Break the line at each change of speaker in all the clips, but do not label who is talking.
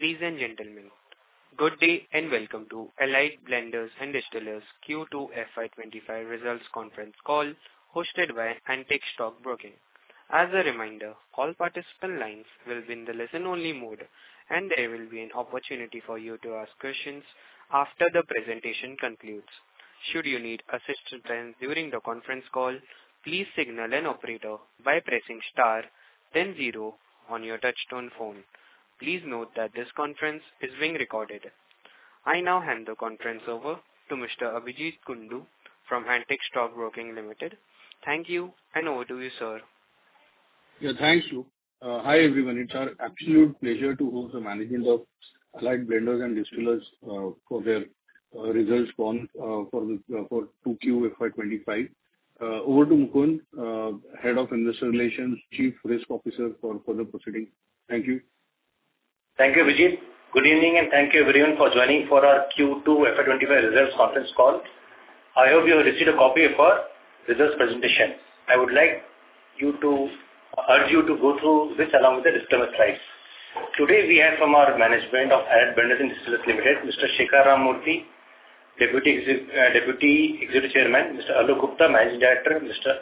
Ladies and gentlemen, good day and welcome to Allied Blenders and Distillers Q2 FY25 Results Conference Call, hosted by Antique Stock Broking. As a reminder, all participant lines will be in the listen-only mode, and there will be an opportunity for you to ask questions after the presentation concludes. Should you need assistance during the conference call, please signal an operator by pressing star then zero on your touch-tone phone. Please note that this conference is being recorded. I now hand the conference over to Mr. Abhijit Kundu from Antique Stock Broking Limited. Thank you, and over to you, sir.
Thanks, Luke. Hi everyone, it's our absolute pleasure to host the management of Allied Blenders and Distillers for their results forum for Q2 FY25. Over to Mukund, Head of Investor Relations, Chief Risk Officer for the proceedings. Thank you.
Thank you, Abhijit. Good evening and thank you everyone for joining for our Q2 FY25 Results Conference Call. I hope you have received a copy of our results presentation. I would like to urge you to go through this along with the disclaimer slide. Today we have from our management of Allied Blenders and Distillers Limited, Mr. Shekhar Ramamurthy, Deputy Executive Chairman, Mr. Alok Gupta, Managing Director, Mr.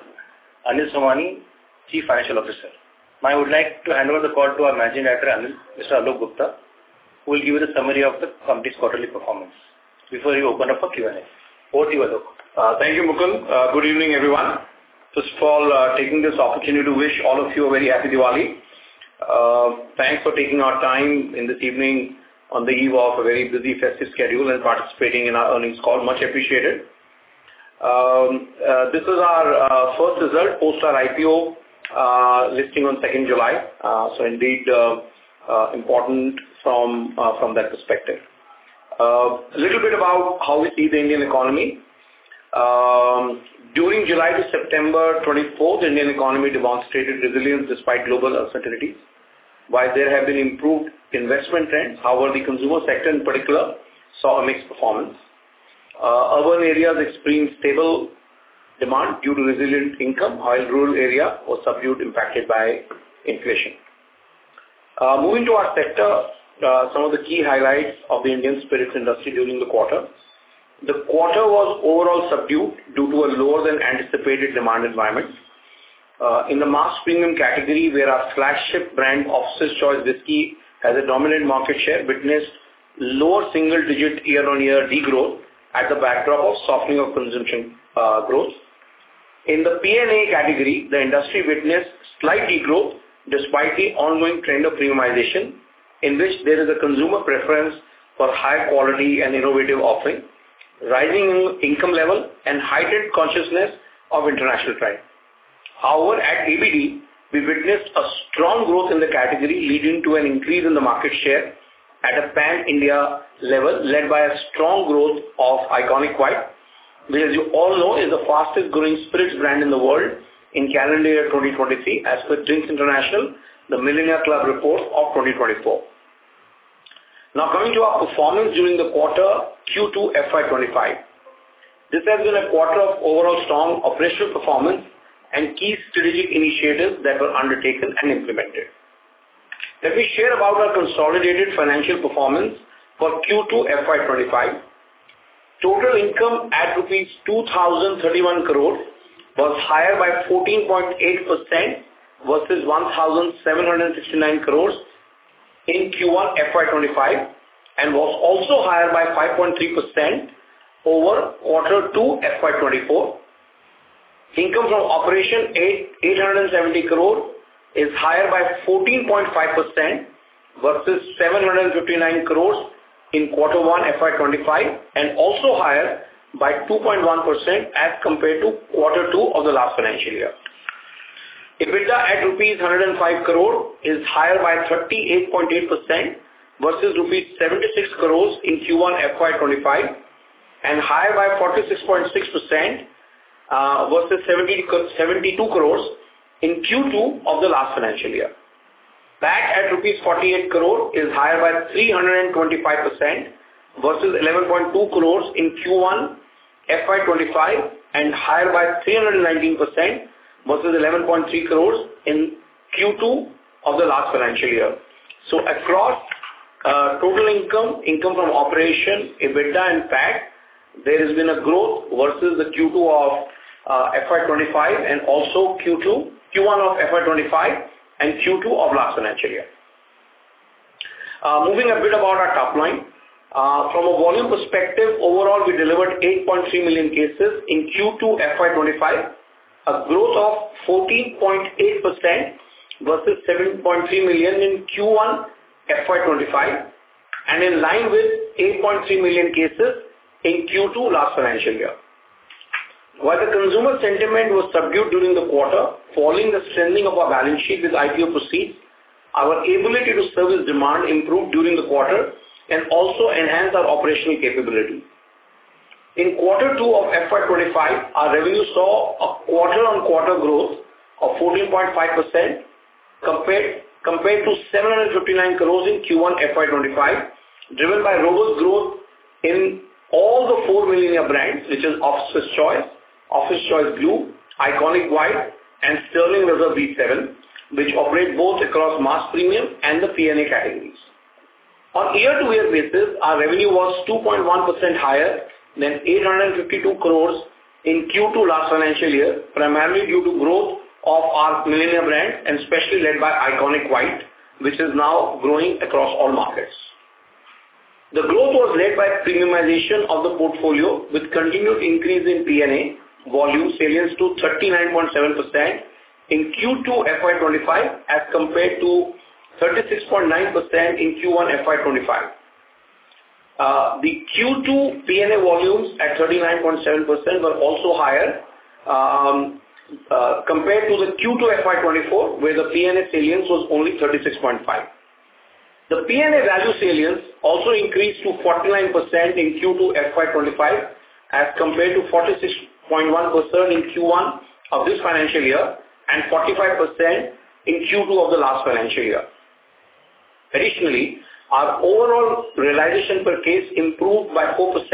Anil Somani, Chief Financial Officer. I would like to hand over the call to our Managing Director, Mr. Alok Gupta, who will give you the summary of the company's quarterly performance before you open up for Q&A. Over to you, Alok.
Thank you, Mukund. Good evening, everyone. First of all, taking this opportunity to wish all of you a very happy Diwali. Thanks for taking our time this evening on the eve of a very busy festive schedule and participating in our earnings call. Much appreciated. This was our first result post our IPO listing on 2nd July. So indeed, important from that perspective. A little bit about how we see the Indian economy. During July to September 2024, the Indian economy demonstrated resilience despite global uncertainties. While there have been improved investment trends, however, the consumer sector in particular saw a mixed performance. Urban areas experienced stable demand due to resilient income, while rural areas were subdued, impacted by inflation. Moving to our sector, some of the key highlights of the Indian spirits industry during the quarter. The quarter was overall subdued due to a lower than anticipated demand environment. In the mass premium category, where our flagship brand, Officer's Choice Whisky, has a dominant market share, witnessed lower single-digit year-on-year degrowth at the backdrop of softening of consumption growth. In the P&A category, the industry witnessed slight degrowth despite the ongoing trend of premiumization, in which there is a consumer preference for high-quality and innovative offering, rising income level, and heightened consciousness of international clients. However, at ABD, we witnessed a strong growth in the category, leading to an increase in the market share at a pan-India level, led by a strong growth of ICONiQ White, which, as you all know, is the fastest-growing spirits brand in the world in calendar year 2023, as per Drinks International, the Millionaires' Club report of 2024. Now, coming to our performance during the quarter Q2 FY25, this has been a quarter of overall strong operational performance and key strategic initiatives that were undertaken and implemented. Let me share about our consolidated financial performance for Q2 FY25. Total income at rupees 2,031 crore was higher by 14.8% versus 1,769 crore in Q1 FY25 and was also higher by 5.3% over quarter 2 FY24. Income from operation 870 crore is higher by 14.5% versus 759 crore in quarter 1 FY25 and also higher by 2.1% as compared to quarter 2 of the last financial year. EBITDA at rupees 105 crore is higher by 38.8% versus rupees 76 crore in Q1 FY25 and higher by 46.6% versus 72 crore in Q2 of the last financial year. That at rupees 48 crore is higher by 325% versus 11.2 crore in Q1 FY25 and higher by 319% versus 11.3 crore in Q2 of the last financial year. So, across total income, income from operation, EBITDA, and PAT, there has been a growth versus the Q2 of FY25 and also Q1 of FY25 and Q2 of last financial year. Moving a bit about our top line. From a volume perspective, overall, we delivered 8.3 million cases in Q2 FY25, a growth of 14.8% versus 7.3 million in Q1 FY25, and in line with 8.3 million cases in Q2 last financial year. While the consumer sentiment was subdued during the quarter, following the strengthening of our balance sheet with IPO proceeds, our ability to service demand improved during the quarter and also enhanced our operational capability. In quarter 2 of FY25, our revenue saw a quarter-on-quarter growth of 14.5% compared to 759 crore in Q1 FY25, driven by robust growth in all the four millionaire brands, which are Officer's Choice, Officer's Choice Blue, ICONiQ White, and Sterling Reserve B7, which operate both across mass premium and the P&A categories. On year-to-year basis, our revenue was 2.1% higher than 852 crore in Q2 last financial year, primarily due to growth of our millionaire brands, especially led by ICONiQ White, which is now growing across all markets. The growth was led by premiumization of the portfolio, with continued increase in P&A volume salience to 39.7% in Q2 FY25 as compared to 36.9% in Q1 FY25. The Q2 P&A volumes at 39.7% were also higher compared to the Q2 FY24, where the P&A salience was only 36.5%. The P&A value salience also increased to 49% in Q2 FY25 as compared to 46.1% in Q1 of this financial year and 45% in Q2 of the last financial year. Additionally, our overall realization per case improved by 4%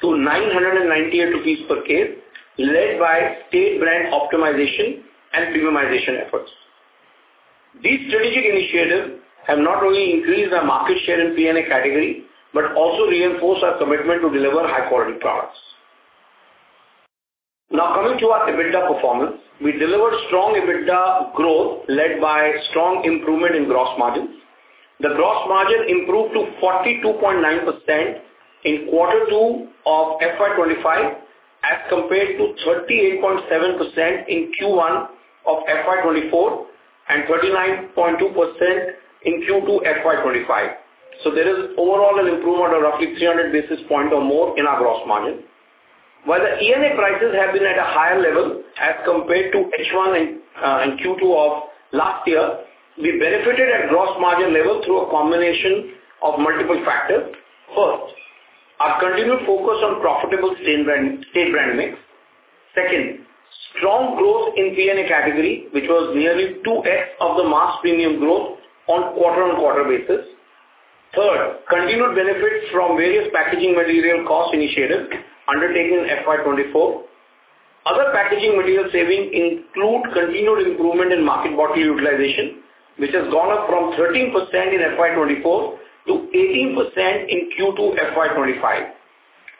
to 998 rupees per case, led by state brand optimization and premiumization efforts. These strategic initiatives have not only increased our market share in P&A category but also reinforced our commitment to deliver high-quality products. Now, coming to our EBITDA performance, we delivered strong EBITDA growth led by strong improvement in gross margins. The gross margin improved to 42.9% in quarter 2 of FY25 as compared to 38.7% in Q1 of FY24 and 39.2% in Q2 FY25. So, there is overall an improvement of roughly 300 basis points or more in our gross margin. While the ENA prices have been at a higher level as compared to H1 and Q2 of last year, we benefited at gross margin level through a combination of multiple factors. First, our continued focus on profitable state brand mix. Second, strong growth in P&A category, which was nearly 2X of the mass premium growth on quarter-on-quarter basis. Third, continued benefits from various packaging material cost initiatives undertaken in FY24. Other packaging material savings include continued improvement in market bottle utilization, which has gone up from 13% in FY24 to 18% in Q2 FY25,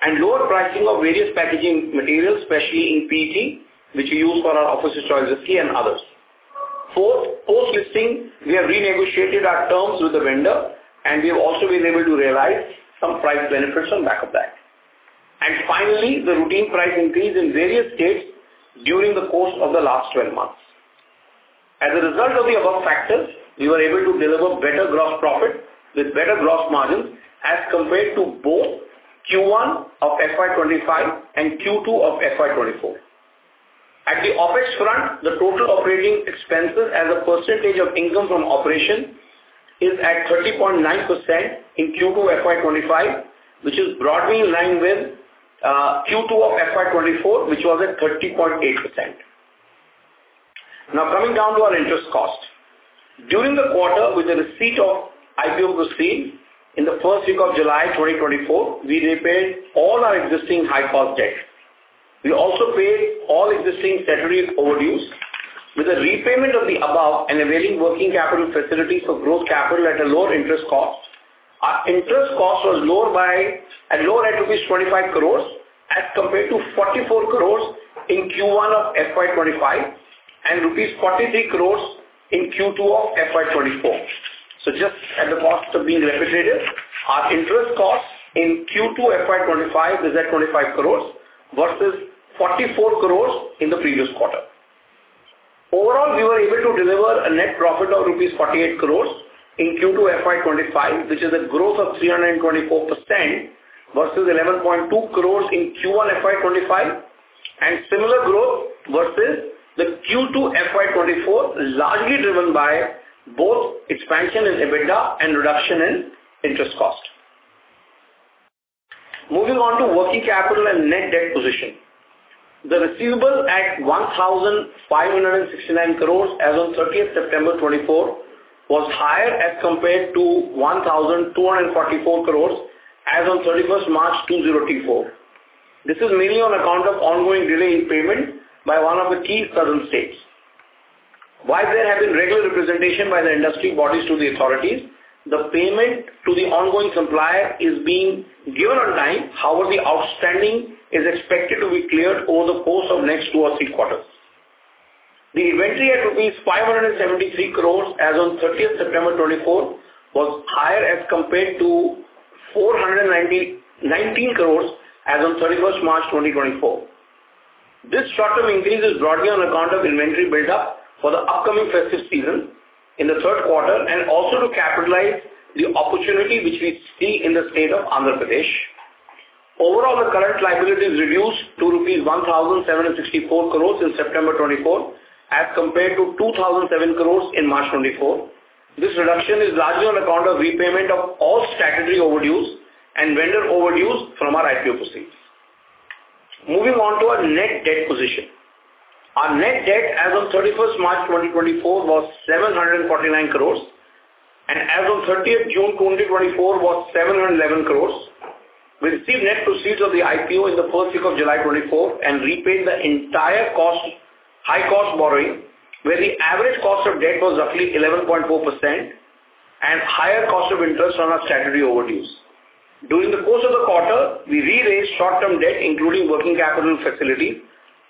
and lower pricing of various packaging materials, especially in PET, which we use for our Officer's Choice Whisky and others. Fourth, post-listing, we have renegotiated our terms with the vendor, and we have also been able to realize some price benefits on back of that. Finally, the routine price increase in various states during the course of the last 12 months. As a result of the above factors, we were able to deliver better gross profit with better gross margins as compared to both Q1 of FY25 and Q2 of FY24. At the OpEx front, the total operating expenses as a percentage of income from operation is at 30.9% in Q2 FY25, which has broadly aligned with Q2 of FY24, which was at 30.8%. Now, coming down to our interest cost. During the quarter, with the receipt of IPO proceeds in the first week of July 2024, we repaid all our existing high-cost debt. We also paid all existing salary overdues. With the repayment of the above and availing working capital facilities for gross capital at a lower interest cost, our interest cost was lower by rupees 25 crore as compared to 44 crore in Q1 of FY25 and rupees 43 crore in Q2 of FY24. So, just at the cost of being repetitive, our interest cost in Q2 FY25 was at 25 crore versus 44 crore in the previous quarter. Overall, we were able to deliver a net profit of INR 48 crore in Q2 FY25, which is a growth of 324% versus 11.2 crore in Q1 FY25, and similar growth versus the Q2 FY24, largely driven by both expansion in EBITDA and reduction in interest cost. Moving on to working capital and net debt position. The receivables at 1,569 crore as of 30th September 2024 was higher as compared to 1,244 crore as of 31st March 2024. This is mainly on account of ongoing delay in payment by one of the key southern states. While there has been regular representation by the industry bodies to the authorities, the payment to the ongoing supplier is being given on time, however, the outstanding is expected to be cleared over the course of next two or three quarters. The inventory at INR 573 crore as of 30th September 2024 was higher as compared to 419 crore as of 31st March 2024. This short-term increase is broadly on account of inventory build-up for the upcoming festive season in the third quarter and also to capitalize the opportunity which we see in the state of Andhra Pradesh. Overall, the current liabilities reduced to INR 1,764 crore in September 2024 as compared to 2,007 crore in March 2024. This reduction is largely on account of repayment of all statutory overdues and vendor overdues from our IPO proceeds. Moving on to our net debt position. Our net debt as of 31st March 2024 was 749 crore, and as of 30th June 2024, was 711 crore. We received net proceeds of the IPO in the first week of July 2024 and repaid the entire high-cost borrowing, where the average cost of debt was roughly 11.4% and higher cost of interest on our statutory overdues. During the course of the quarter, we re-raised short-term debt, including working capital facilities,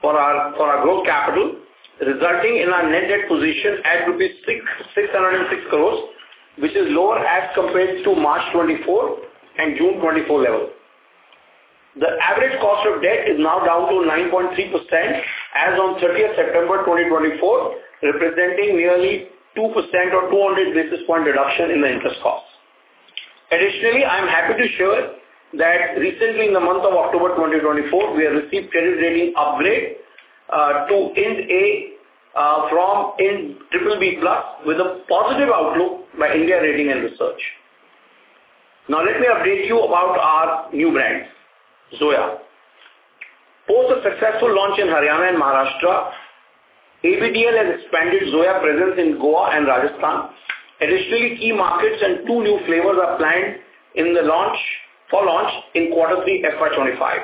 for our gross capital, resulting in our net debt position at 606 crore rupees, which is lower as compared to March 2024 and June 2024 level. The average cost of debt is now down to 9.3% as of 30th September 2024, representing nearly 2% or 200 basis point reduction in the interest cost. Additionally, I'm happy to share that recently, in the month of October 2024, we have received credit rating upgrade to IND A from IND BB+ with a positive outlook by India Ratings and Research. Now, let me update you about our new brand, Zoya. Post a successful launch in Haryana and Maharashtra, ABDL has expanded Zoya presence in Goa and Rajasthan. Additionally, key markets and two new flavors are planned for launch in quarter 3 FY25.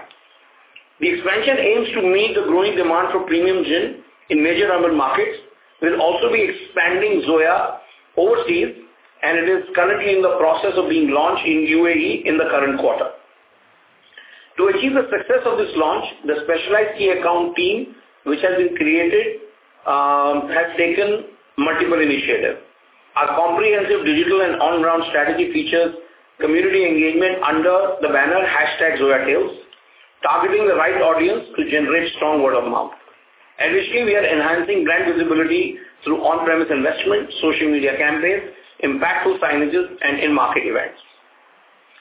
The expansion aims to meet the growing demand for premium gin in major urban markets. We'll also be expanding Zoya overseas, and it is currently in the process of being launched in UAE in the current quarter. To achieve the success of this launch, the specialized key account team, which has been created, has taken multiple initiatives. Our comprehensive digital and on-ground strategy features community engagement under the banner #ZoyaTales, targeting the right audience to generate strong word-of-mouth. Additionally, we are enhancing brand visibility through on-premise investment, social media campaigns, impactful signages, and in-market events.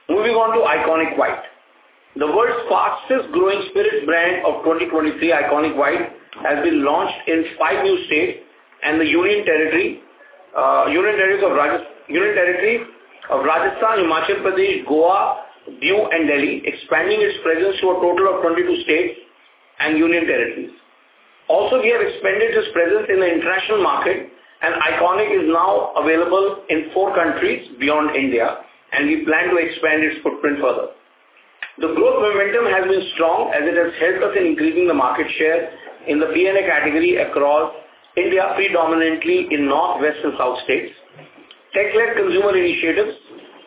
Moving on to ICONiQ White. The world's fastest-growing spirits brand of 2023, ICONiQ White, has been launched in five new states and the Union Territories of Rajasthan, Himachal Pradesh, Goa, Diu, and Delhi, expanding its presence to a total of 22 states and Union Territories. Also, we have expanded its presence in the international market, and ICONiQ is now available in four countries beyond India, and we plan to expand its footprint further. The growth momentum has been strong as it has helped us in increasing the market share in the P&A category across India, predominantly in North, West, and South states. Tech-led consumer initiatives,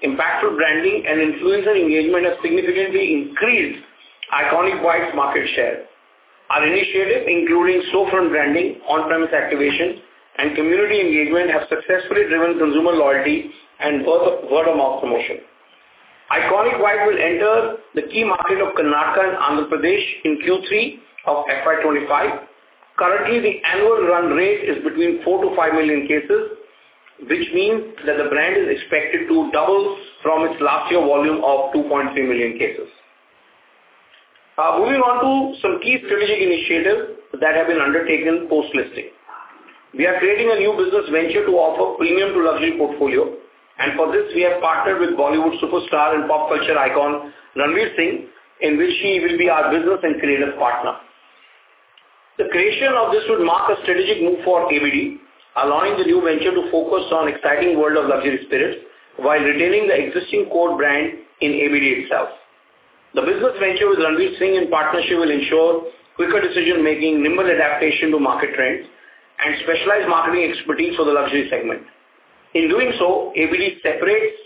impactful branding, and influencer engagement have significantly increased ICONiQ White's market share. Our initiative, including Shopfront branding, on-premise activation, and community engagement, have successfully driven consumer loyalty and word-of-mouth promotion. ICONiQ White will enter the key market of Karnataka and Andhra Pradesh in Q3 of FY25. Currently, the annual run rate is between four to five million cases, which means that the brand is expected to double from its last year volume of 2.3 million cases. Moving on to some key strategic initiatives that have been undertaken post-listing. We are creating a new business venture to offer premium to luxury portfolio, and for this, we have partnered with Bollywood superstar and pop culture icon Ranveer Singh, in which he will be our business and creative partner. The creation of this would mark a strategic move for ABD, allowing the new venture to focus on the exciting world of luxury spirits while retaining the existing core brand in ABD itself. The business venture with Ranveer Singh in partnership will ensure quicker decision-making, nimble adaptation to market trends, and specialized marketing expertise for the luxury segment. In doing so, ABD separates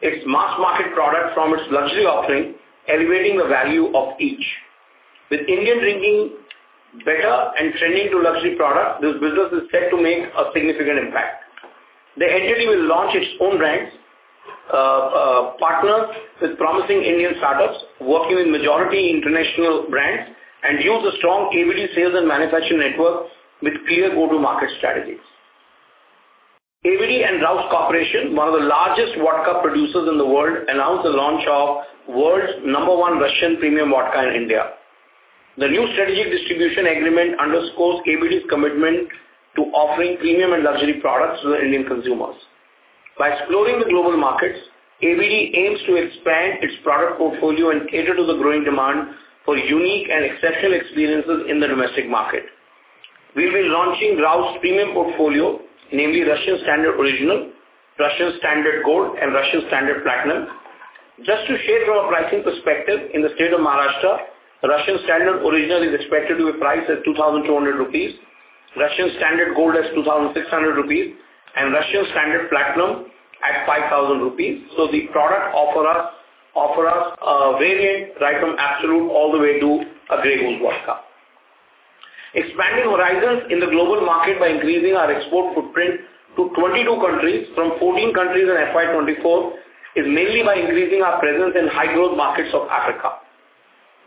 its mass market product from its luxury offering, elevating the value of each. With Indian drinking better and trending to luxury product, this business is set to make a significant impact. The entity will launch its own brands, partner with promising Indian startups, working with majority international brands, and use a strong ABD sales and manufacturing network with clear go-to-market strategies. ABD and Roust Corporation, one of the largest vodka producers in the world, announced the launch of the world's number one Russian premium vodka in India. The new strategic distribution agreement underscores ABD's commitment to offering premium and luxury products to the Indian consumers. By exploring the global markets, ABD aims to expand its product portfolio and cater to the growing demand for unique and exceptional experiences in the domestic market. We'll be launching Roust's premium portfolio, namely Russian Standard Original, Russian Standard Gold, and Russian Standard Platinum. Just to share from a pricing perspective, in the state of Maharashtra, Russian Standard Original is expected to be priced at 2,200 rupees, Russian Standard Gold at 2,600 rupees, and Russian Standard Platinum at 5,000 rupees. So the product offers us a variant right from Absolut all the way to a Grey Goose vodka. Expanding horizons in the global market by increasing our export footprint to 22 countries from 14 countries in FY24 is mainly by increasing our presence in high-growth markets of Africa.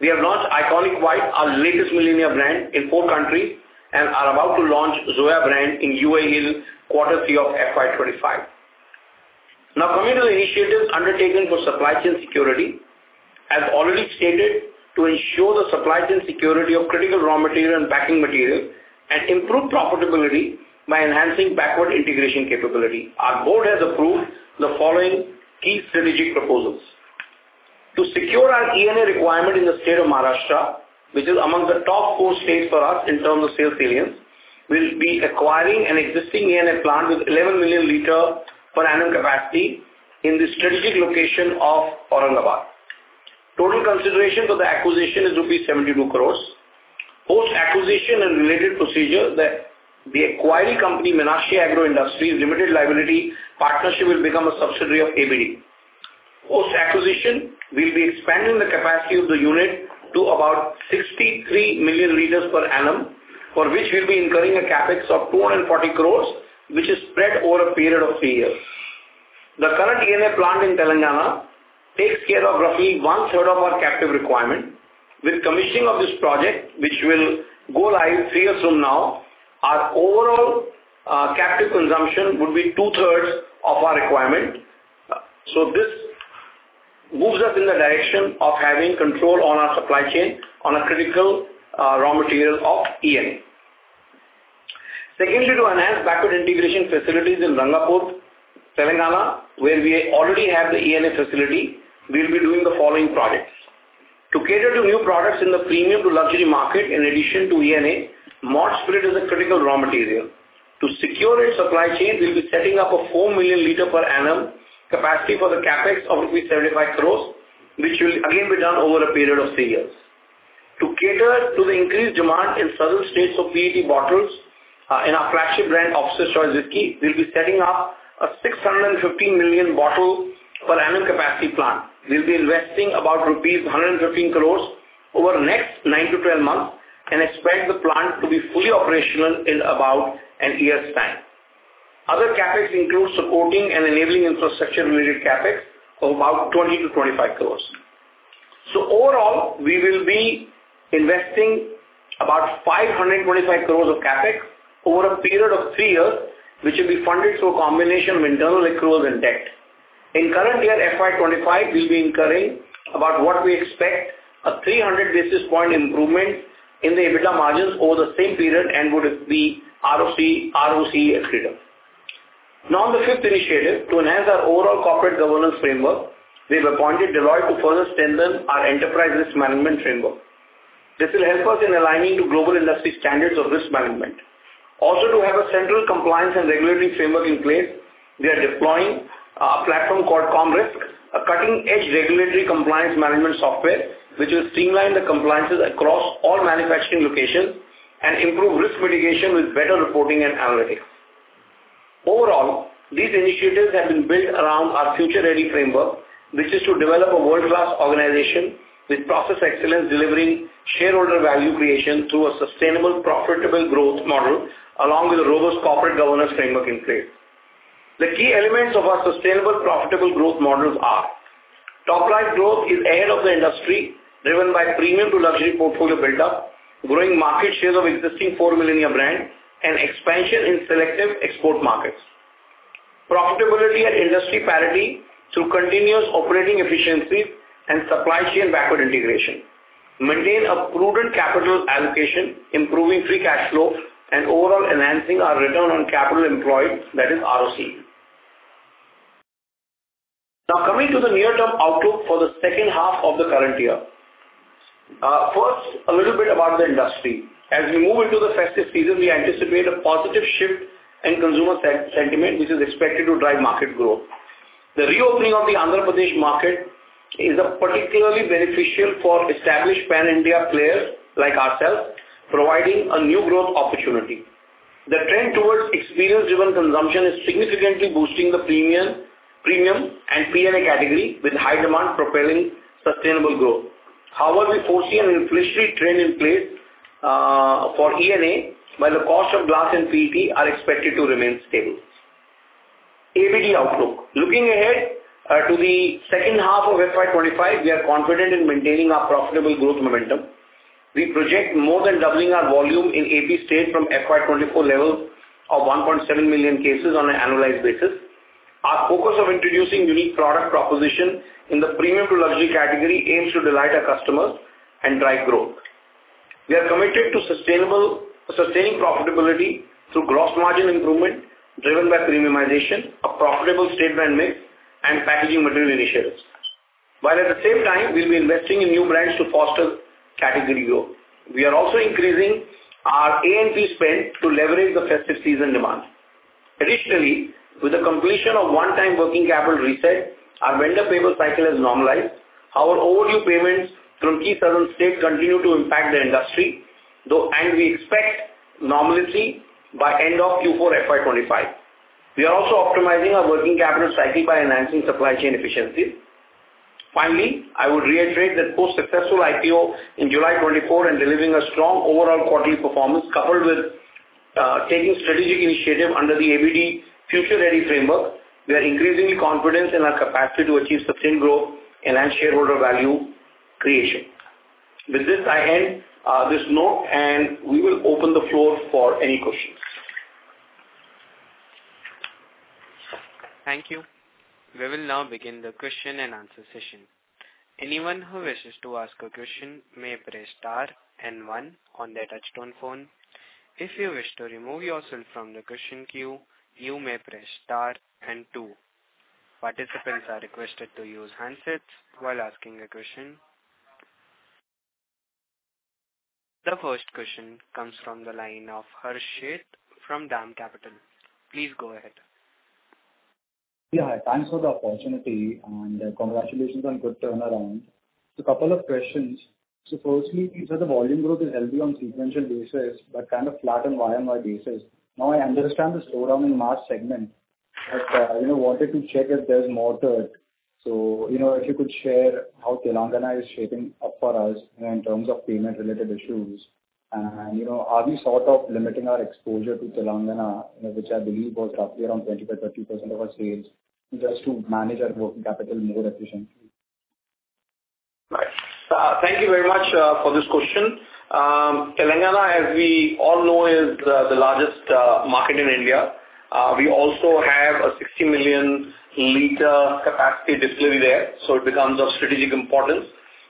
We have launched ICONiQ White, our latest millennial brand, in four countries and are about to launch Zoya brand in UAE in quarter 3 of FY25. Now, coming to the initiatives undertaken for supply chain security, as already stated, to ensure the supply chain security of critical raw material and packing material and improve profitability by enhancing backward integration capability. Our board has approved the following key strategic proposals. To secure our ENA requirement in the state of Maharashtra, which is among the top four states for us in terms of sales salience, we will be acquiring an existing ENA plant with 11 million liters per annum capacity in the strategic location of Aurangabad. Total consideration for the acquisition is rupees 72 crore. Post-acquisition and related procedures, the acquiring company, Manas Agro Industries and Infrastructure Limited, will become a subsidiary of ABD. Post-acquisition, we'll be expanding the capacity of the unit to about 63 million liters per annum, for which we'll be incurring a CapEx of 240 crore, which is spread over a period of three years. The current ENA plant in Telangana takes care of roughly one-third of our captive requirement. With commissioning of this project, which will go live three years from now, our overall captive consumption would be two-thirds of our requirement. So this moves us in the direction of having control on our supply chain on a critical raw material of ENA. Secondly, to enhance backward integration facilities in Rangapur, Telangana, where we already have the ENA facility, we'll be doing the following projects. To cater to new products in the premium to luxury market, in addition to ENA, malt spirit is a critical raw material. To secure its supply chain, we'll be setting up a 4 million liters per annum capacity for the CapEx of rupees 75 crore, which will again be done over a period of three years. To cater to the increased demand in southern states for PET bottles in our flagship brand, Officer's Choice Whisky, we'll be setting up a 650 million bottle per annum capacity plant. We'll be investing about rupees 115 crore over the next 9 to 12 months and expect the plant to be fully operational in about a year's time. Other CapEx include supporting and enabling infrastructure-related CapEx of about 20-25 crore. So overall, we will be investing about 525 crore of CapEx over a period of three years, which will be funded through a combination of internal accruals and debt. In current year, FY25, we'll be incurring, about what we expect, a 300 basis point improvement in the EBITDA margins over the same period and would be ROCE accretive. Now, on the fifth initiative, to enhance our overall corporate governance framework, we've appointed Deloitte to further strengthen our enterprise risk management framework. This will help us in aligning to global industry standards of risk management. Also, to have a central compliance and regulatory framework in place, we are deploying a platform called Komrisk, a cutting-edge regulatory compliance management software, which will streamline the compliances across all manufacturing locations and improve risk mitigation with better reporting and analytics. Overall, these initiatives have been built around our future-ready framework, which is to develop a world-class organization with process excellence, delivering shareholder value creation through a sustainable, profitable growth model, along with a robust corporate governance framework in place. The key elements of our sustainable, profitable growth models are top-line growth ahead of the industry, driven by premium to luxury portfolio build-up, growing market shares of existing four millennial brands, and expansion in selective export markets. Profitability and industry parity through continuous operating efficiencies and supply chain backward integration. Maintain a prudent capital allocation, improving free cash flow and overall enhancing our return on capital employed, that is, ROCE. Now, coming to the near-term outlook for the second half of the current year. First, a little bit about the industry. As we move into the festive season, we anticipate a positive shift in consumer sentiment, which is expected to drive market growth. The reopening of the Andhra Pradesh market is particularly beneficial for established pan-India players like ourselves, providing a new growth opportunity. The trend towards experience-driven consumption is significantly boosting the premium and P&A category with high demand propelling sustainable growth. However, we foresee an inflationary trend in place for ENA, while the cost of glass and PET are expected to remain stable. ABD outlook. Looking ahead to the second half of FY25, we are confident in maintaining our profitable growth momentum. We project more than doubling our volume in AP state from FY24 level of 1.7 million cases on an annualized basis. Our focus of introducing unique product proposition in the premium to luxury category aims to delight our customers and drive growth. We are committed to sustaining profitability through gross margin improvement driven by premiumization, a profitable state brand mix, and packaging material initiatives. While at the same time, we'll be investing in new brands to foster category growth. We are also increasing our A&P spend to leverage the festive season demand. Additionally, with the completion of one-time working capital reset, our vendor payable cycle has normalized. However, overdue payments from key southern states continue to impact the industry, and we expect normality by end of Q4 FY25. We are also optimizing our working capital cycle by enhancing supply chain efficiencies. Finally, I would reiterate that post-successful IPO in July 2024 and delivering a strong overall quarterly performance, coupled with taking strategic initiative under the ABD future-ready framework, we are increasingly confident in our capacity to achieve sustained growth, enhance shareholder value creation. With this, I end this note, and we will open the floor for any questions.
Thank you. We will now begin the question and answer session. Anyone who wishes to ask a question may press star and one on their touch-tone phone. If you wish to remove yourself from the question queue, you may press star and two. Participants are requested to use handsets while asking a question. The first question comes from the line of Harsh Sheth from Dam Capital. Please go ahead.
Thanks for the opportunity and congratulations on good turnaround. So a couple of questions. So firstly, you said the volume growth is healthy on sequential basis, but kind of flat on YoY basis. Now, I understand the slowdown in mass segment, but I wanted to check if there's more to it. So if you could share how Telangana is shaping up for us in terms of payment-related issues, and are we sort of limiting our exposure to Telangana, which I believe was roughly around 25%-30% of our sales, just to manage our working capital more efficiently? Thank you very much for this question.
Telangana, as we all know, is the largest market in India. We also have a 60 million liters capacity display there, so it becomes of strategic importance,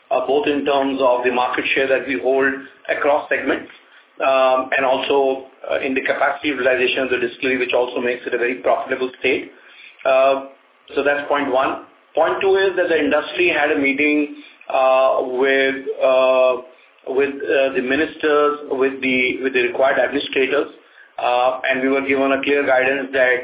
both in terms of the market share that we hold across segments and also in the capacity realization of the display, which also makes it a very profitable state. So that's point one. Point two is that the industry had a meeting with the ministers, with the required administrators, and we were given a clear guidance that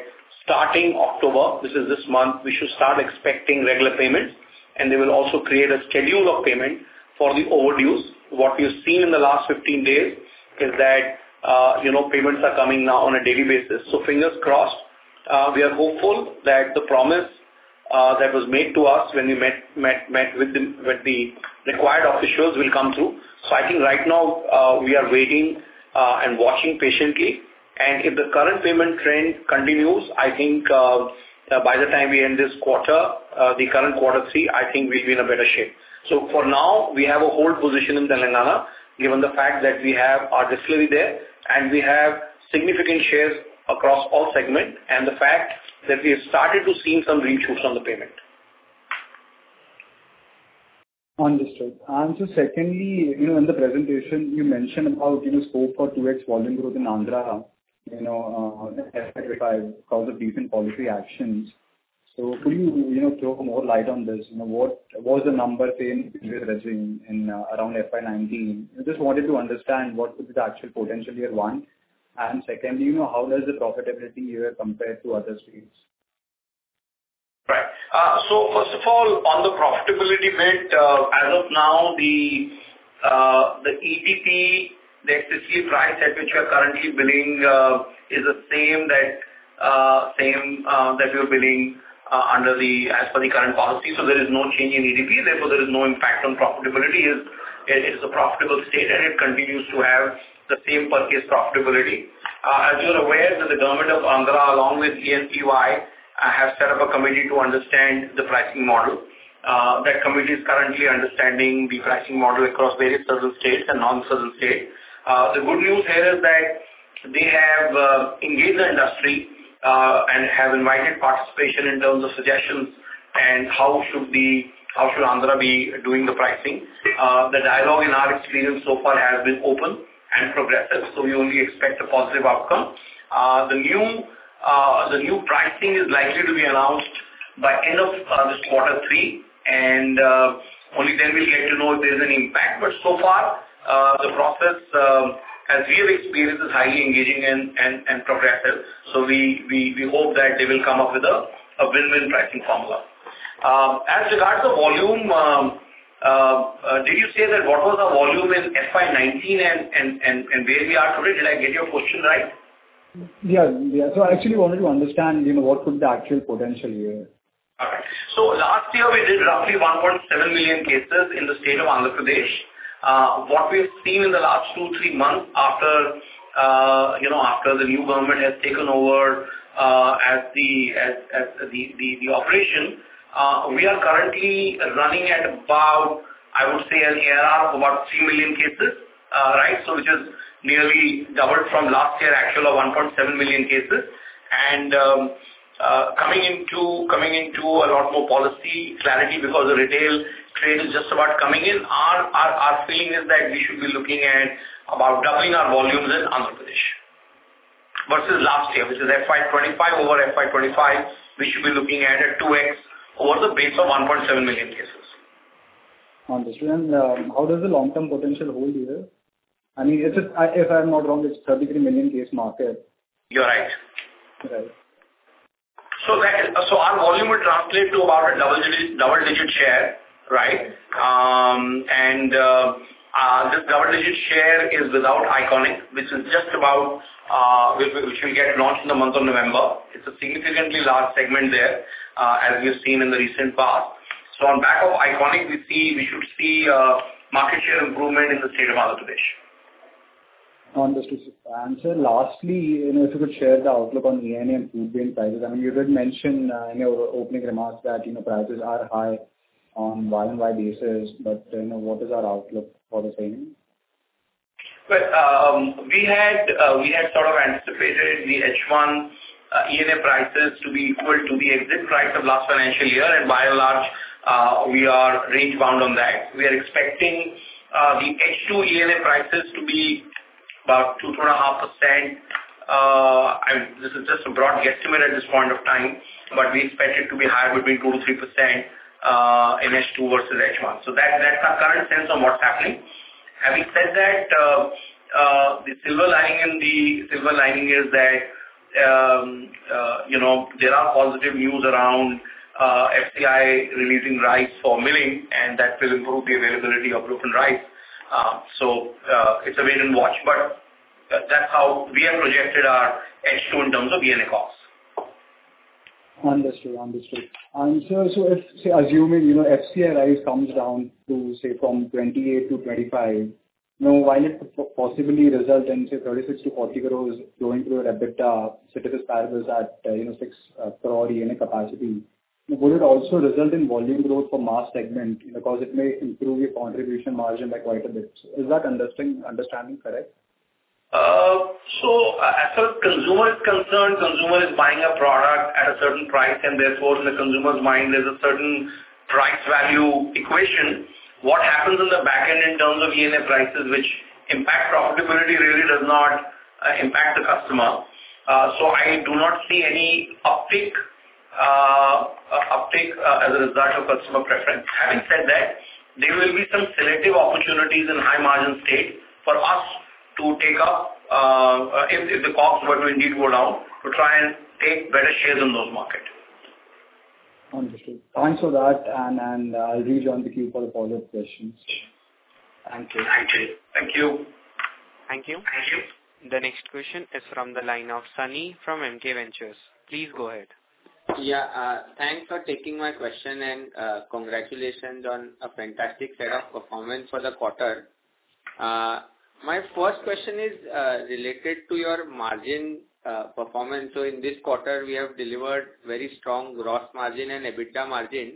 starting October, which is this month, we should start expecting regular payments, and they will also create a schedule of payment for the overdues. What we have seen in the last 15 days is that payments are coming now on a daily basis. So fingers crossed. We are hopeful that the promise that was made to us when we met with the required officials will come through. So I think right now we are waiting and watching patiently, and if the current payment trend continues, I think by the time we end this quarter, the current quarter three, I think we'll be in a better shape. So for now, we have a hold position in Telangana given the fact that we have our display there and we have significant shares across all segments and the fact that we have started to see some reissues on the payment.
Understood, and so secondly, in the presentation, you mentioned about scope for 2X volume growth in Andhra FY25 because of recent policy actions. So could you throw more light on this? What was the number saying in the previous regime around FY19?
I just wanted to understand what would be the actual potential year one and secondly, how does the profitability year compare to other states? First of all, on the profitability bit, as of now, the EDP, the existing price at which we are currently billing, is the same that we were billing under the current policy. So there is no change in EDP. Therefore, there is no impact on profitability. It is a profitable state, and it continues to have the same per-case profitability. As you're aware, the government of Andhra, along with E&Y, have set up a committee to understand the pricing model. That committee is currently understanding the pricing model across various southern states and non-southern states. The good news here is that they have engaged the industry and have invited participation in terms of suggestions and how should Andhra be doing the pricing. The dialogue in our experience so far has been open and progressive, so we only expect a positive outcome. The new pricing is likely to be announced by end of this quarter three, and only then we'll get to know if there's any impact. But so far, the process, as we have experienced, is highly engaging and progressive. So we hope that they will come up with a win-win pricing formula. As regards to volume, did you say that what was our volume in FY19 and where we are today? Did I get your question right?
I actually wanted to understand what could be the actual potential here Last year, we did roughly 1.7 million cases in the state of Andhra Pradesh.
What we have seen in the last two, three months after the new government has taken over the operation, we are currently running at about, I would say, an ARR of about 3 million cases, right? So which is nearly doubled from last year, actual of 1.7 million cases. And coming into a lot more policy clarity because the retail trade is just about coming in, our feeling is that we should be looking at about doubling our volumes in Andhra Pradesh versus last year, which is FY25 over FY25, we should be looking at a 2X over the base of 1.7 million cases.
Understood. And how does the long-term potential hold here? I mean, if I'm not wrong, it's a 33 million case market. You're right. So our volume will translate to about a double-digit share, right?
This double-digit share is without ICONiQ, which is just about to get launched in the month of November. It's a significantly large segment there, as we've seen in the recent past. On behalf of ICONiQ, we should see market share improvement in the state of Andhra Pradesh. Understood. Lastly, if you could share the outlook on ENA and food grain prices. I mean, you did mention in your opening remarks that prices are high on YoY basis, but what is our outlook for the same? We had sort of anticipated the H1 ENA prices to be equal to the exit price of last financial year, and by and large, we are range-bound on that. We are expecting the H2 ENA prices to be about 2%-2.5%. This is just a broad guesstimate at this point of time, but we expect it to be higher between 2%-3% in H2 versus H1. So that's our current sense on what's happening. Having said that, the silver lining is that there are positive news around FCI releasing rice for milling, and that will improve the availability of broken rice. So it's a wait-and-watch, but that's how we have projected our H2 in terms of ENA costs.
Understood. Understood. And so assuming FCI rice comes down to, say, from 28 to 25, now, while it possibly results in, say, 36-40 crores going through EBITDA, ceteris paribus at 6 crore ENA capacity, would it also result in volume growth for mass segment because it may improve your contribution margin by quite a bit? Is that understanding correct?
So as far as consumer is concerned, consumer is buying a product at a certain price, and therefore, in the consumer's mind, there's a certain price value equation. What happens on the back end in terms of ENA prices, which impact profitability, really does not impact the customer. So I do not see any uptick as a result of customer preference. Having said that, there will be some selective opportunities in high-margin states for us to take up if the cost were to indeed go down, to try and take better shares in those markets.
Understood. Thanks for that, and I'll rejoin the queue for the follow-up questions. Thank you.
Thank you.
Thank you. The next question is from the line of Sunny from MK Ventures. Please go ahead.
Thanks for taking my question, and congratulations on a fantastic set of performance for the quarter. My first question is related to your margin performance. So in this quarter, we have delivered very strong gross margin and EBITDA margin.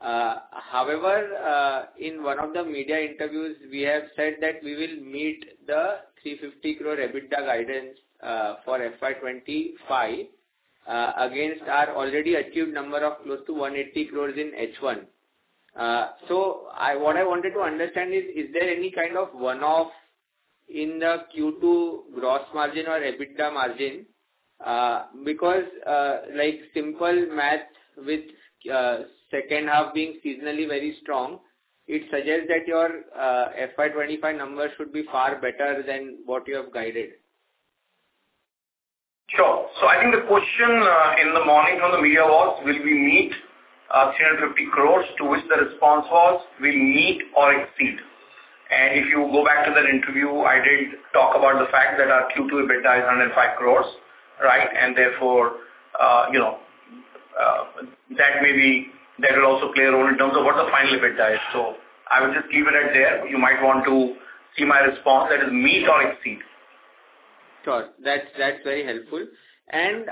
However, in one of the media interviews, we have said that we will meet the 350 crore EBITDA guidance for FY25 against our already achieved number of close to 180 crores in H1. So what I wanted to understand is, is there any kind of one-off in the Q2 gross margin or EBITDA margin? Because simple math, with second half being seasonally very strong, it suggests that your FY25 number should be far better than what you have guided.
Sure. So I think the question in the morning from the media was, will we meet 350 crores, to which the response was, will meet or exceed? And if you go back to that interview, I did talk about the fact that our Q2 EBITDA is 105 crores, right? And therefore, that maybe that will also play a role in terms of what the final EBITDA is. So I would just leave it at there. You might want to see my response that is meet or exceed.
Sure. That's very helpful. And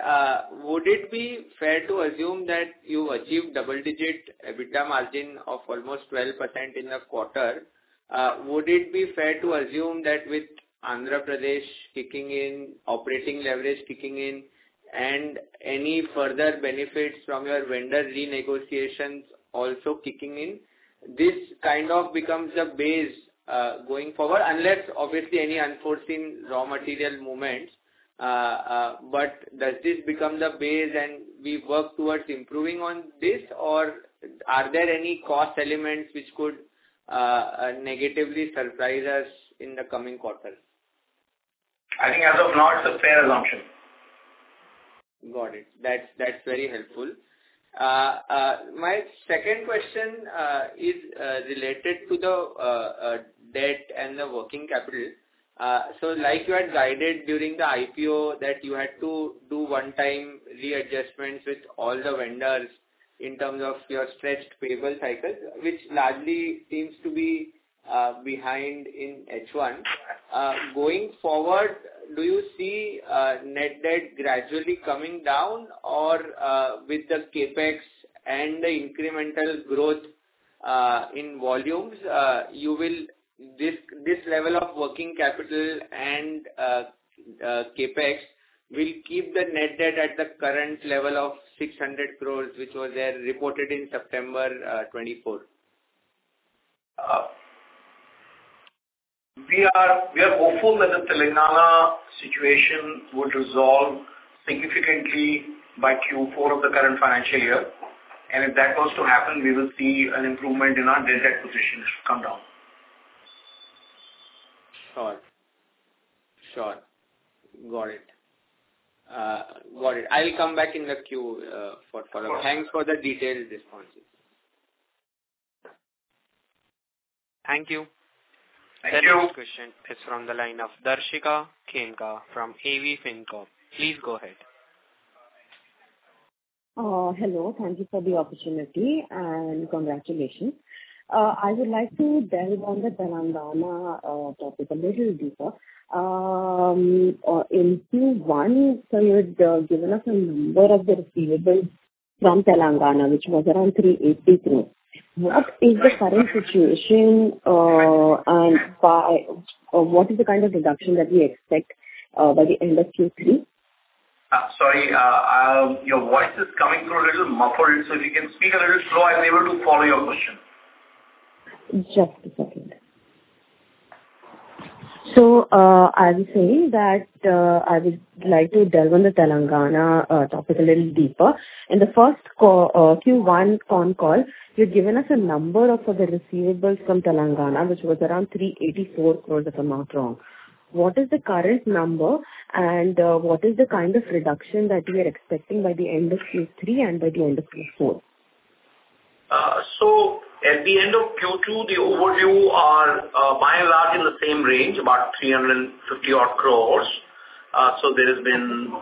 would it be fair to assume that you've achieved double-digit EBITDA margin of almost 12% in the quarter? Would it be fair to assume that with Andhra Pradesh kicking in, operating leverage kicking in, and any further benefits from your vendor renegotiations also kicking in, this kind of becomes the base going forward, unless obviously any unforeseen raw material movement? But does this become the base, and we work towards improving on this, or are there any cost elements which could negatively surprise us in the coming quarter?
I think as of now, it's a fair assumption.
Got it. That's very helpful. My second question is related to the debt and the working capital. So like you had guided during the IPO that you had to do one-time readjustments with all the vendors in terms of your stretched payable cycle, which largely seems to be behind in H1. Going forward, do you see net debt gradually coming down, or with the CapEx and the incremental growth in volumes, this level of working capital and CapEx will keep the net debt at the current level of 600 crore, which was reported in September 2024?
We are hopeful that the Telangana situation would resolve significantly by Q4 of the current financial year. And if that was to happen, we will see an improvement in our net debt position come down.
Sure. Sure. Got it. Got it. I'll come back in the queue for a quarter. Thanks for the detailed responses.
Thank you.
Thank you. The next question is from the line of Darshika Khemka from AV FinCorp. Please go ahead.
Hello. Thank you for the opportunity and congratulations. I would like to delve on the Telangana topic a little deeper. In Q1, so you had given us a number of the receivables from Telangana, which was around INR 380 crore. What is the current situation, and what is the kind of reduction that we expect by the end of Q3?
Sorry. Your voice is coming through a little muffled, so if you can speak a little slower, I'll be able to follow your question.
Just a second. So I'm saying that I would like to delve on the Telangana topic a little deeper. In the first Q1 phone call, you had given us a number of the receivables from Telangana, which was around 384 crore, if I'm not wrong. What is the current number, and what is the kind of reduction that we are expecting by the end of Q3 and by the end of Q4?
So at the end of Q2, the outstanding are by and large in the same range, about 350 odd crore. So there has been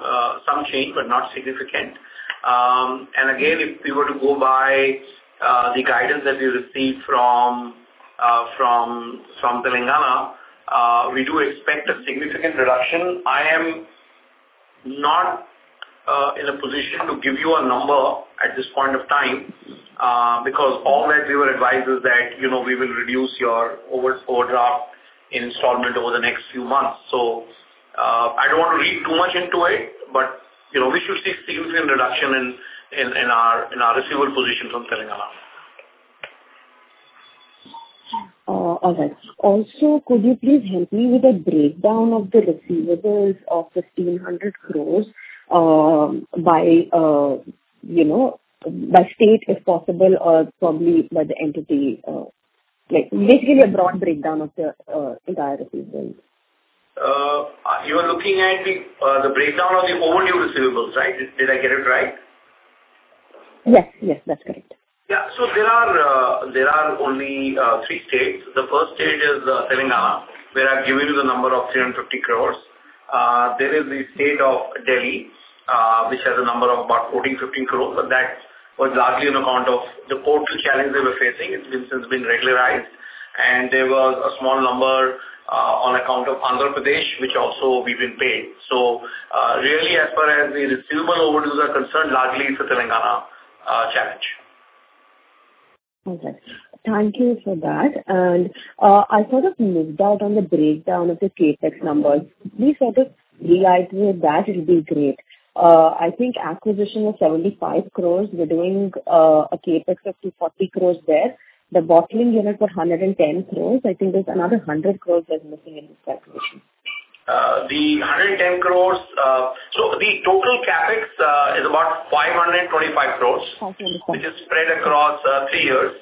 some change, but not significant. And again, if we were to go by the guidance that we received from Telangana, we do expect a significant reduction. I am not in a position to give you a number at this point of time because all that we were advised is that we will reduce your overdraft installment over the next few months. So I don't want to read too much into it, but we should see significant reduction in our receivable position from Telangana.
All right. Also, could you please help me with a breakdown of the receivables of 1,500 crores by state, if possible, or probably by the entity? Basically, a broad breakdown of the entire receivables.
You are looking at the breakdown of the overdue receivables, right? Did I get it right?
Yes. That's correct.
So there are only three states. The first state is Telangana, where I've given you the number of 350 crores. There is the state of Delhi, which has a number of about 14-15 crores, but that was largely on account of the portal challenge they were facing. It's been regularized, and there was a small number on account of Andhra Pradesh, which also we've been paid. So really, as far as the receivable overdues are concerned, largely it's a Telangana challenge.
Okay. Thank you for that. And I sort of missed out on the breakdown of the CapEx numbers. Please sort of enlighten me with that. It would be great. I think acquisition of 75 crores. We're doing a CapEx of 240 crores there. The bottling unit for 110 crores. I think there's another 100 crores that's missing in this calculation.
The 110 crores so the total CapEx is about 525 crores, which is spread across three years.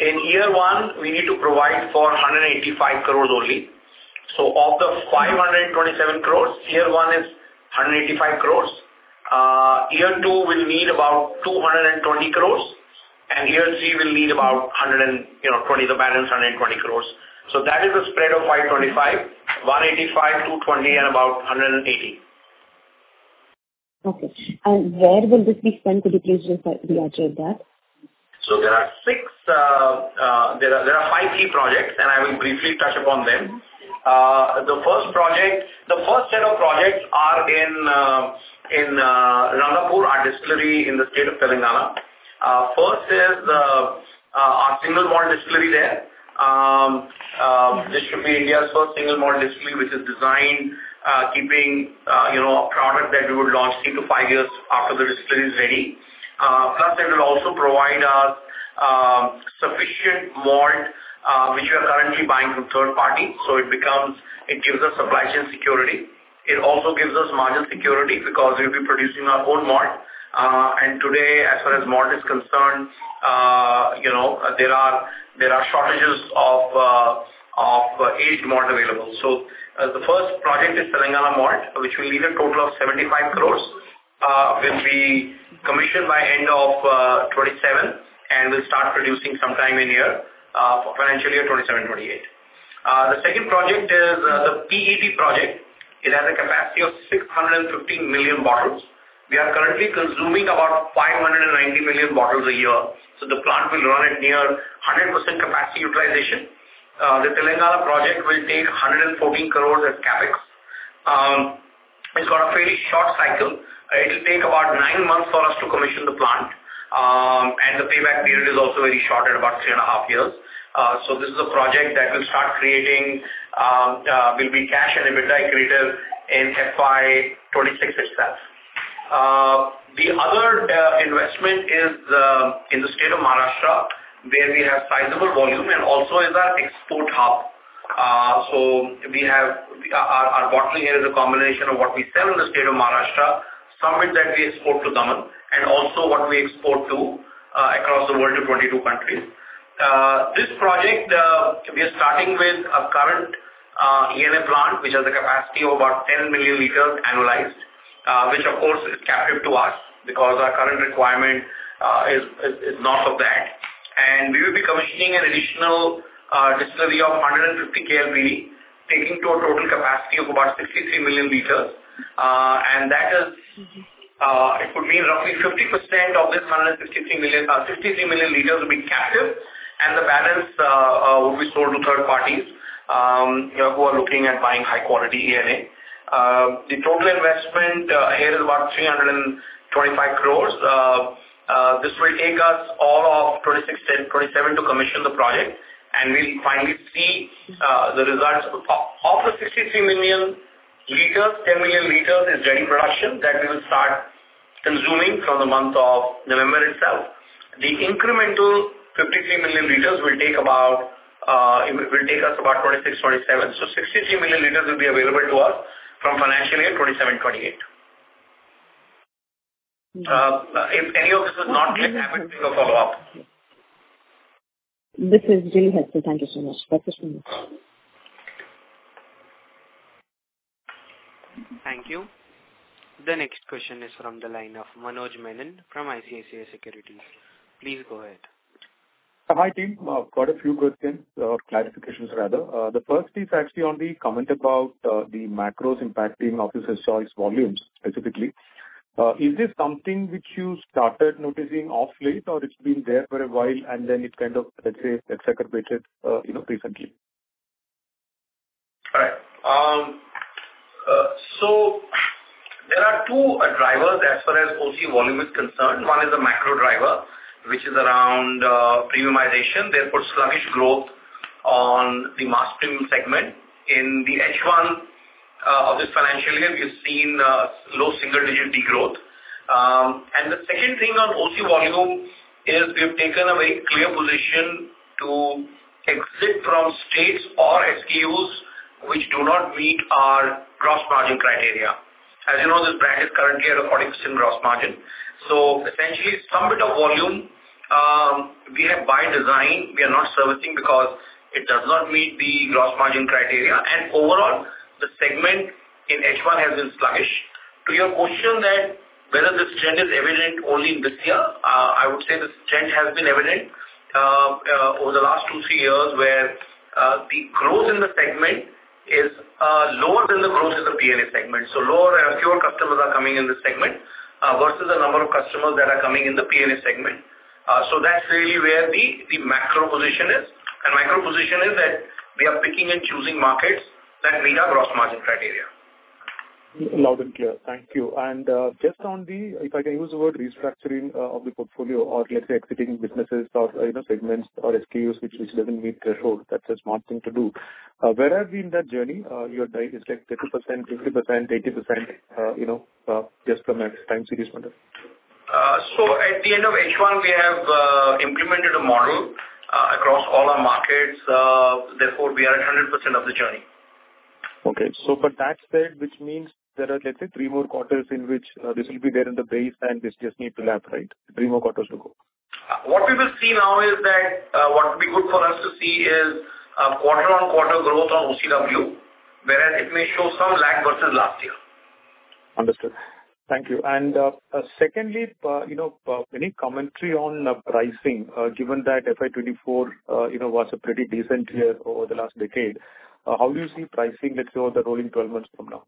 In year one, we need to provide for 185 crores only. So of the 527 crore, year one is 185 crore. Year two will need about 220 crore, and year three will need about the balance, 120 crore. So that is a spread of 525 crore, 185 crore, 220 crore, and about 180 crore.
Okay. And where will this be spent? Could you please just reiterate that?
So there are five key projects, and I will briefly touch upon them. The first set of projects are in Rangapur Distillery in the state of Telangana. First is our single malt distillery there. This should be India's first single malt distillery, which is designed keeping a product that we would launch three to five years after the distillery is ready. Plus, it will also provide us sufficient malt, which we are currently buying from third party. So it gives us supply chain security. It also gives us margin security because we'll be producing our own malt. And today, as far as malt is concerned, there are shortages of aged malt available. So the first project is Telangana Malt, which will need a total of 75 crores. It will be commissioned by end of 2027 and will start producing sometime in here, financial year 2027/28. The second project is the PET project. It has a capacity of 615 million bottles. We are currently consuming about 590 million bottles a year. So the plant will run at near 100% capacity utilization. The Telangana project will take 114 crores as CapEx. It's got a fairly short cycle. It'll take about nine months for us to commission the plant, and the payback period is also very short, at about three and a half years. This is a project that will start creating cash and will be EBITDA accretive in FY26 itself. The other investment is in the state of Maharashtra, where we have sizable volume, and also is our export hub. Our bottling here is a combination of what we sell in the state of Maharashtra, some of it that we export to the UAE, and also what we export to across the world, to 22 countries. This project, we are starting with a current ENA plant, which has a capacity of about 10 million liters annualized, which, of course, is captive to us because our current requirement is north of that. We will be commissioning an additional distillery of 150 KLPD, taking to a total capacity of about 63 million liters. That is, it would mean roughly 50% of this 63 million liters will be captive, and the balance will be sold to third parties who are looking at buying high-quality ENA. The total investment here is about 325 crore. This will take us all of 2026-2027 to commission the project, and we'll finally see the results. Of the 63 million liters, 10 million liters is ready production that we will start consuming from the month of November itself. The incremental 53 million liters will take us about 2026, 2027. So 63 million liters will be available to us from financial year 2027/2028. If any of this is not clear, I will take a follow-up.
This is really helpful. Thank you so much. That's it from me.
Thank you. The next question is from the line of Manoj Menon from ICICI Securities. Please go ahead.
Hi, team. Quite a few good clarifications, rather. The first is actually on the comment about the macros impacting Officer's Choice volumes, specifically. Is this something which you started noticing of late, or it's been there for a while, and then it kind of, let's say, exacerbated recently?
there are two drivers as far as OC volume is concerned. One is a macro driver, which is around premiumization, therefore sluggish growth on the mass premium segment. In the H1 of this financial year, we have seen low single-digit degrowth. And the second thing on OC volume is we have taken a very clear position to exit from states or SKUs which do not meet our gross margin criteria. As you know, this brand is currently at a 40% gross margin. So essentially, some bit of volume we have by design. We are not servicing because it does not meet the gross margin criteria. And overall, the segment in H1 has been sluggish. To your question that whether this trend is evident only in this year, I would say this trend has been evident over the last two, three years, where the growth in the segment is lower than the growth in the P&A segment. So fewer customers are coming in the segment versus the number of customers that are coming in the P&A segment. So that's really where the macro position is. And macro position is that we are picking and choosing markets that meet our gross margin criteria.
Loud and clear. Thank you. And just on the, if I can use the word, restructuring of the portfolio or, let's say, exiting businesses or segments or SKUs which doesn't meet threshold, that's a smart thing to do. Where have you been in that journey? You had like 30%, 50%, 80% just from a time series model.
So at the end of H1, we have implemented a model across all our markets. Therefore, we are at 100% of the journey.
For that spirit, which means there are, let's say, three more quarters in which this will be there in the base, and this just needs to lap? Three more quarters to go.
What we will see now is that what would be good for us to see is quarter-on-quarter growth on OCW, whereas it may show some lag versus last year.
Understood. Thank you. And secondly, any commentary on pricing, given that FY24 was a pretty decent year over the last decade? How do you see pricing, let's say, over the rolling 12 months from now?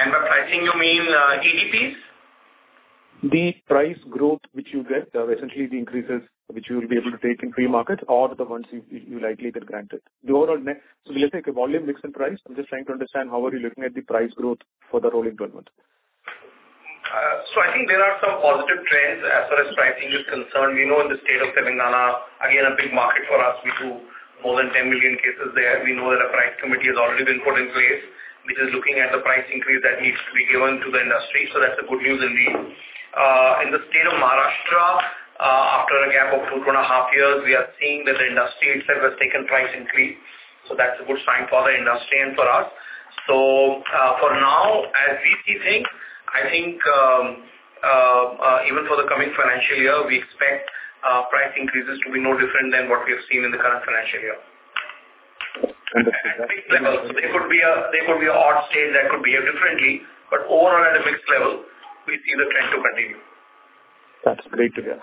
And by pricing, you mean ADPs?
The price growth which you get, essentially the increases which you will be able to take in free markets or the ones you likely get granted. So let's say volume mix and price. I'm just trying to understand how are you looking at the price growth for the rolling 12 months?
So I think there are some positive trends as far as pricing is concerned. We know in the state of Telangana, again, a big market for us. We do more than 10 million cases there. We know that a price committee has already been put in place, which is looking at the price increase that needs to be given to the industry. That's a good news indeed. In the state of Maharashtra, after a gap of two to two and a half years, we are seeing that the industry itself has taken price increase. That's a good sign for the industry and for us. For now, as we see things, I think even for the coming financial year, we expect price increases to be no different than what we have seen in the current financial year. At a mixed level. So there could be an odd state that could behave differently, but overall, at a mixed level, we see the trend to continue.
That's great to hear.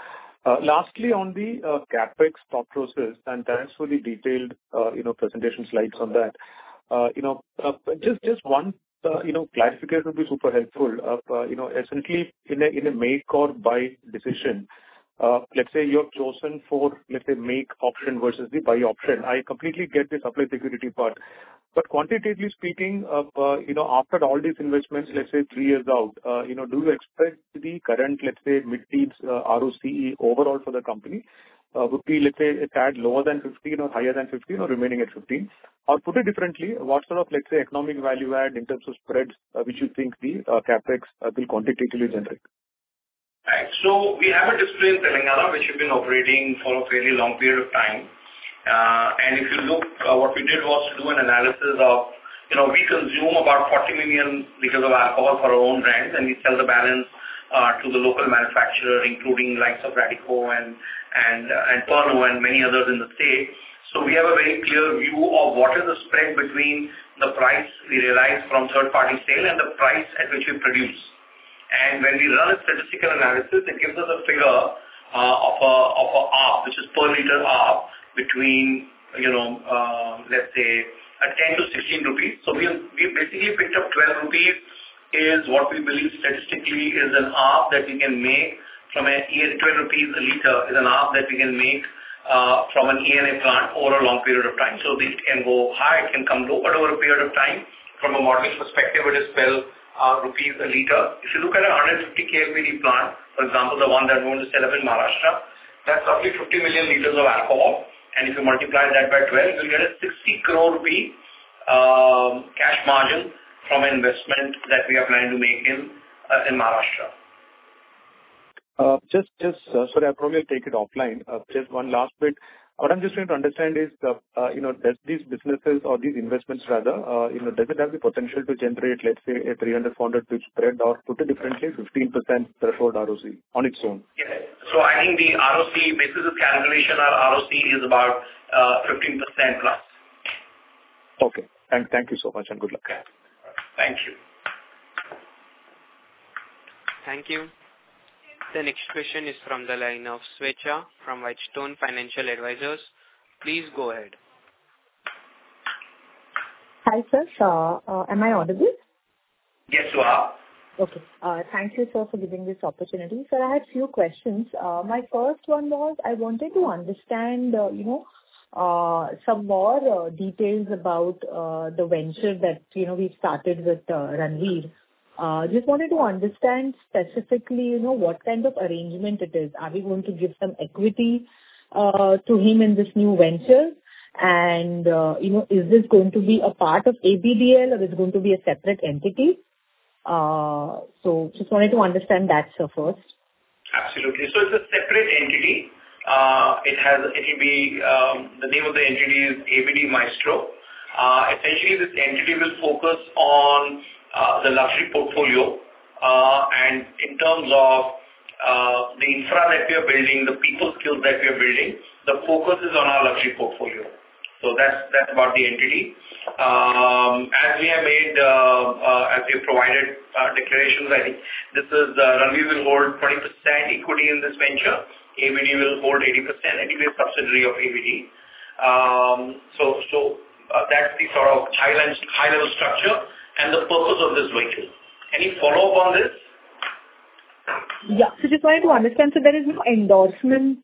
Lastly, on the CapEx, stock choices, and thanks for the detailed presentation slides on that. Just one clarification would be super helpful. Essentially, in a make or buy decision, let's say you're chosen for, let's say, make option versus the buy option. I completely get the supply security part. But quantitatively speaking, after all these investments, let's say three years out, do you expect the current, let's say, mid-teens ROCE overall for the company would be, let's say, a tad lower than 15% or higher than 15% or remaining at 15%? Or put it differently, what sort of, let's say, economic value add in terms of spreads which you think the CapEx will quantitatively generate?
We have a distillery in Telangana which we've been operating for a fairly long period of time. And if you look, what we did was to do an analysis of we consume about 40 million liters of alcohol for our own brands, and we sell the balance to the local manufacturers, including likes of Radico and Pernod and many others in the state. We have a very clear view of what is the spread between the price we realize from third-party sale and the price at which we produce. When we run a statistical analysis, it gives us a figure of arb, which is per liter Rs between, let's say, 10-16 rupees. We basically picked up 12 rupees is what we believe statistically is an Rs that we can make from a 12 rupees a liter is an Rs that we can make from an ENA plant over a long period of time. This can go high, it can come low over a period of time. From a modeling perspective, it is 12 rupees a liter. If you look at a 150 KLPD plant, for example, the one that we want to set up in Maharashtra, that's roughly 50 million liters of alcohol. And if you multiply that by 12, you'll get an 60 crore rupee cash margin from an investment that we are planning to make in Maharashtra.
Just, sorry, I promised to take it offline. Just one last bit. What I'm just trying to understand is, does these businesses or these investments, rather, does it have the potential to generate, let's say, a 300-400 spread or put it differently, 15% threshold ROC on its own?
Yes. So I think the ROC, basis of calculation, our ROC is about 15%+.
Okay. Thank you so much and good luck.
Thank you.
Thank you. The next question is from the line of Swechha from Whitestone Financial Advisors. Please go ahead.
Hi sir. Am I audible?
Yes, you are.
Okay. Thank you, sir, for giving this opportunity. Sir, I had a few questions. My first one was I wanted to understand some more details about the venture that we started with Ranveer. Just wanted to understand specifically what kind of arrangement it is. Are we going to give some equity to him in this new venture? And is this going to be a part of ABDL, or is it going to be a separate entity? So just wanted to understand that, sir, first.
Absolutely. So it's a separate entity. It will be the name of the entity is ABD Maestro. Essentially, this entity will focus on the luxury portfolio. And in terms of the infra that we are building, the people skills that we are building, the focus is on our luxury portfolio. So that's about the entity. As we have provided declarations, I think this is Ranveer will hold 20% equity in this venture. ABD will hold 80% and he will be a subsidiary of ABD. So that's the sort of high-level structure and the purpose of this venture. Any follow-up on this? Just wanted to understand. So there is no endorsement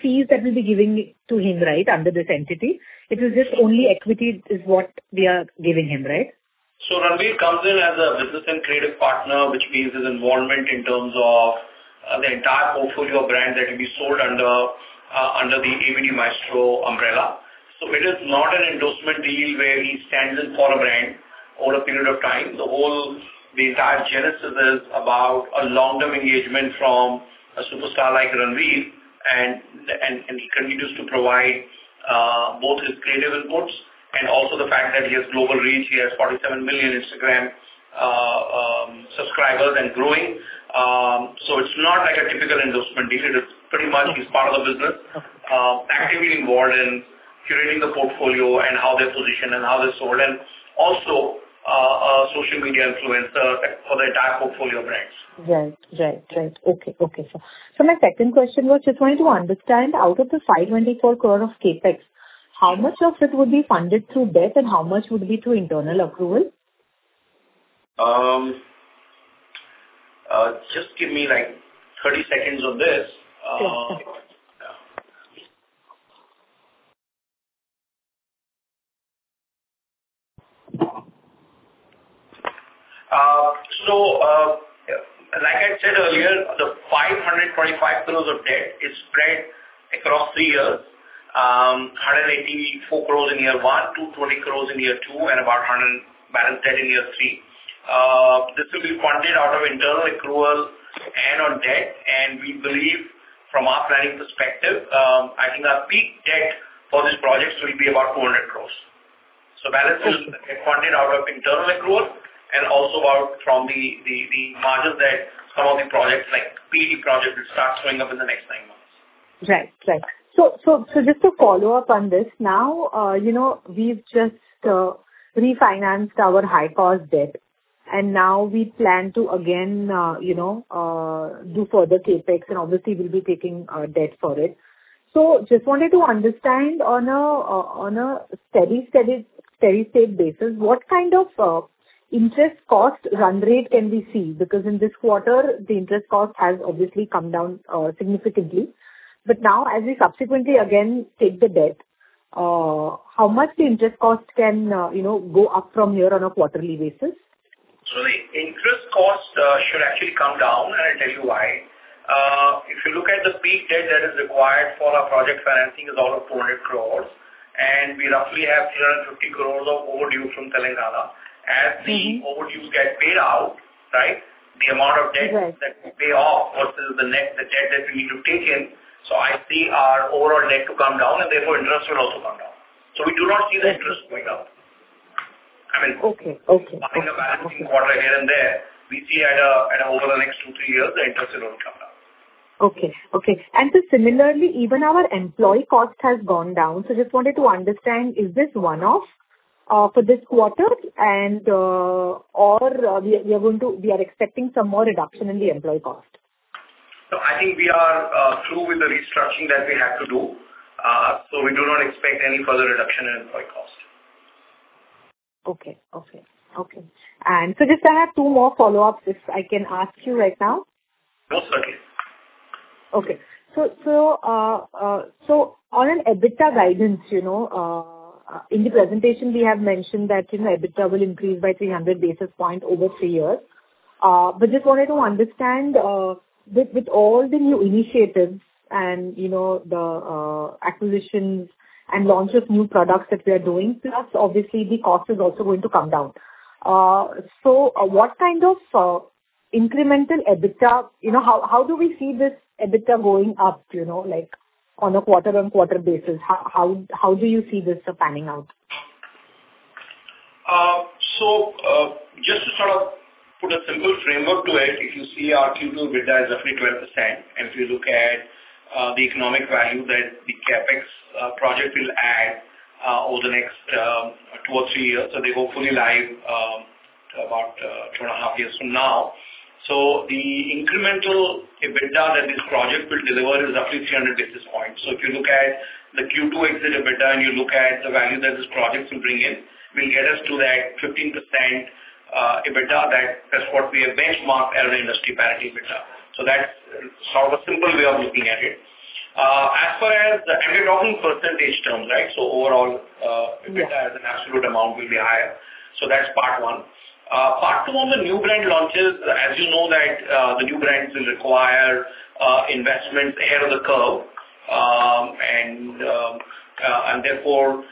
fees that we'll be giving to him under this entity? It is just only equity is what we are giving him, right? So Ranveer comes in as a business and creative partner, which means his involvement in terms of the entire portfolio of brands that will be sold under the ABD Maestro umbrella. So it is not an endorsement deal where he stands in for a brand over a period of time. The entire genesis is about a long-term engagement from a superstar like Ranveer, and he continues to provide both his creative inputs and also the fact that he has global reach. He has 47 million Instagram subscribers and growing. So it's not like a typical endorsement deal. It is pretty much he's part of the business, actively involved in curating the portfolio and how they're positioned and how they're sold, and also a social media influencer for the entire portfolio of brands.
So my second question was just wanted to understand, out of the 524 crore of CapEx, how much of it would be funded through debt and how much would be through internal accruals?
Just give me like 30 seconds on this. So like I said earlier, the 525 crore of debt is spread across three years: 184 crore in year one, 220 crore in year two, and about 100 crore balance debt in year three. This will be funded out of internal accruals and debt. And we believe, from our planning perspective, I think our peak debt for these projects will be about 200 crore. So balance is funded out of internal accrual and also from the margins that some of the projects, like P&A projects, will start showing up in the next nine months.
So just to follow up on this, now we've just refinanced our high-cost debt, and now we plan to, again, do further CapEx, and obviously, we'll be taking debt for it. So just wanted to understand, on a steady-state basis, what kind of interest cost run rate can we see? Because in this quarter, the interest cost has obviously come down significantly. But now, as we subsequently again take the debt, how much the interest cost can go up from here on a quarterly basis?
So the interest cost should actually come down, and I'll tell you why. If you look at the peak debt that is required for our project financing is all of 200 crores, and we roughly have 350 crores of overdue from Telangana. As the overdue gets paid out the amount of debt that we pay off versus the debt that we need to take in, so I see our overall debt to come down, and therefore, interest will also come down. So we do not see the interest going up. I mean, in the balancing quarter here and there, we see over the next two, three years, the interest will only come down.
Okay. Okay, and similarly, even our employee cost has gone down. So just wanted to understand, is this one-off for this quarter, or we are going to be expecting some more reduction in the employee cost?
So I think we are through with the restructuring that we have to do. So we do not expect any further reduction in employee cost.
Just I have two more follow-ups, if I can ask you right now.
Most certainly.
On an EBITDA guidance, in the presentation, we have mentioned that EBITDA will increase by 300 basis points over three years. But just wanted to understand, with all the new initiatives and the acquisitions and launch of new products that we are doing, plus, obviously, the cost is also going to come down. So what kind of incremental EBITDA? How do we see this EBITDA going up on a quarter-on-quarter basis? How do you see this panning out?
So just to sort of put a simple framework to it, if you see our Q2 EBITDA is roughly 12%. If you look at the economic value that the CapEx project will add over the next two or three years, so they go fully live about two and a half years from now. The incremental EBITDA that this project will deliver is roughly 300 basis points. If you look at the Q2 exit EBITDA and you look at the value that this project will bring in, will get us to that 15% EBITDA. That's what we have benchmarked as an industry parity EBITDA. That's sort of a simple way of looking at it. As far as the EBITDA in percentage terms so overall, EBITDA as an absolute amount will be higher. That's part one. Part two on the new brand launches, as you know, that the new brands will require investments ahead of the curve, and therefore,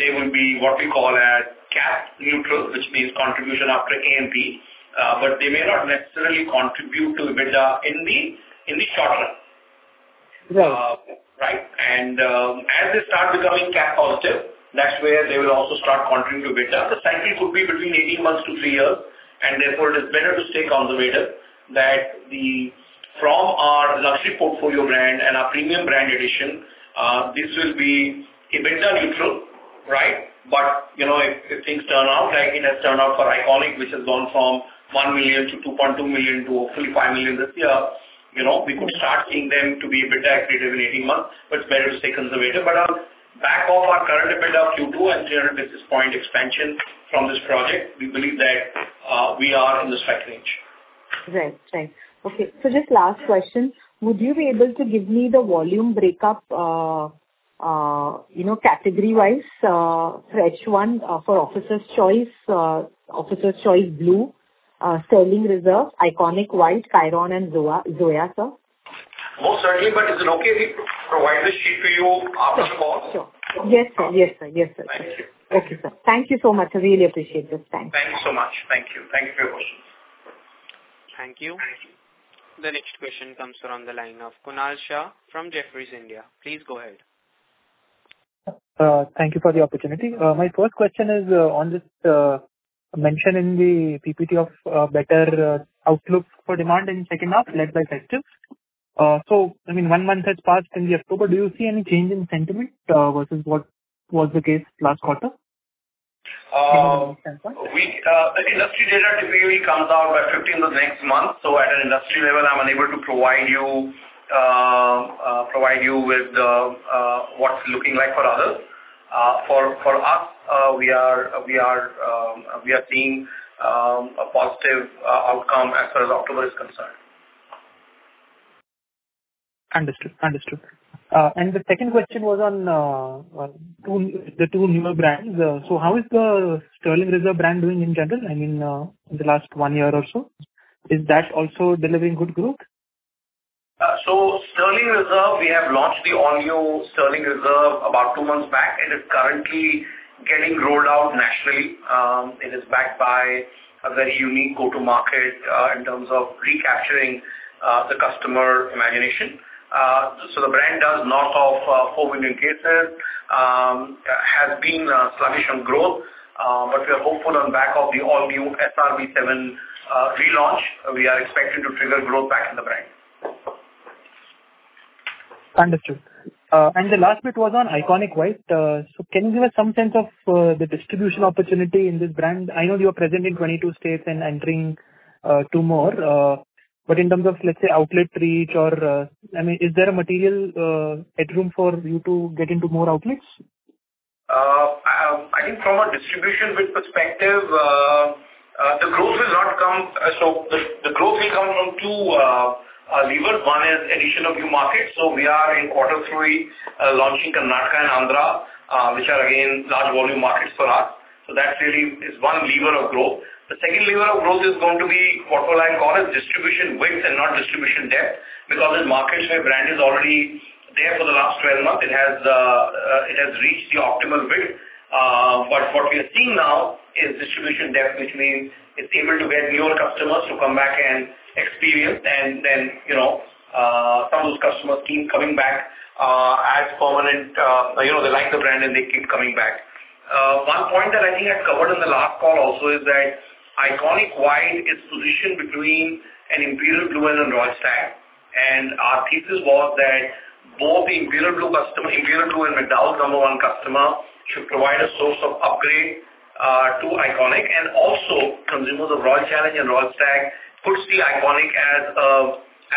they will be what we call an A&P neutral, which means contribution after A&P. But they may not necessarily contribute to EBITDA in the short run. And as they start becoming A&P positive, that's where they will also start contributing to EBITDA. The cycle could be between 18 months to three years, and therefore, it is better to stay conservative that from our luxury portfolio brand and our premium brand edition, this will be EBITDA neutral, right? But if things turn out like it has turned out for ICONiQ, which has gone from 1 million to 2.2 million to hopefully 5 million this year, we could start seeing them to be a bit accretive in 18 months. But it's better to stay conservative. But on back of our current EBITDA Q2 and 300 basis point expansion from this project, we believe that we are in the strike range.
So just last question. Would you be able to give me the volume breakup category-wise for each one for Officer's Choice, Officer's Choice Blue, Sterling Reserve, ICONiQ White, Kyron, and Zoya?
Most certainly. But is it okay if we provide the sheet to you after the call?
Yes, sir. Thank you, sir. Thank you so much. I really appreciate this. Thanks.
Thank you so much. Thank you for your questions.
Thank you. The next question comes from the line of Kunal Shah from Jefferies India. Please go ahead.
Thank you for the opportunity. My first question is on this mention in the PPT of better outlook for demand in the second half led by Festives. I mean, one month has passed in October. Do you see any change in sentiment versus what was the case last quarter?
Industry data typically comes out by 15th of next month. So at an industry level, I'm unable to provide you with what's looking like for others. For us, we are seeing a positive outcome as far as October is concerned.
Understood. Understood. The second question was on the two newer brands. So how is the Sterling Reserve brand doing in general? I mean, in the last one year or so, is that also delivering good growth?
Sterling Reserve, we have launched the all-new Sterling Reserve about two months back, and it's currently getting rolled out nationally. It is backed by a very unique go-to-market in terms of recapturing the customer imagination. The brand does north of four million cases, has been sluggish on growth, but we are hopeful on back of the all-new SRB7 relaunch. We are expecting to trigger growth back in the brand.
Understood. The last bit was on ICONiQ White. Can you give us some sense of the distribution opportunity in this brand? I know you are present in 22 states and entering two more. But in terms of, let's say, outlet reach or, I mean, is there a material headroom for you to get into more outlets?
I think from a distribution perspective, the growth will not come so the growth will come from two levers. One is addition of new markets. We are in quarter three launching Karnataka and Andhra, which are, again, large volume markets for us. That really is one lever of growth. The second lever of growth is going to be what I call distribution width and not distribution depth because in markets where brand is already there for the last 12 months, it has reached the optimal width. But what we are seeing now is distribution depth, which means it's able to get newer customers to come back and experience, and then some of those customers keep coming back as permanent. They like the brand, and they keep coming back. One point that I think I covered in the last call also is that ICONiQ White is positioned between an Imperial Blue and a Royal Stag. And our thesis was that both the Imperial Blue and McDowell's No. 1 customers should provide a source of upgrade to ICONiQ. And also, consumers of Royal Challenge and Royal Stag could see ICONiQ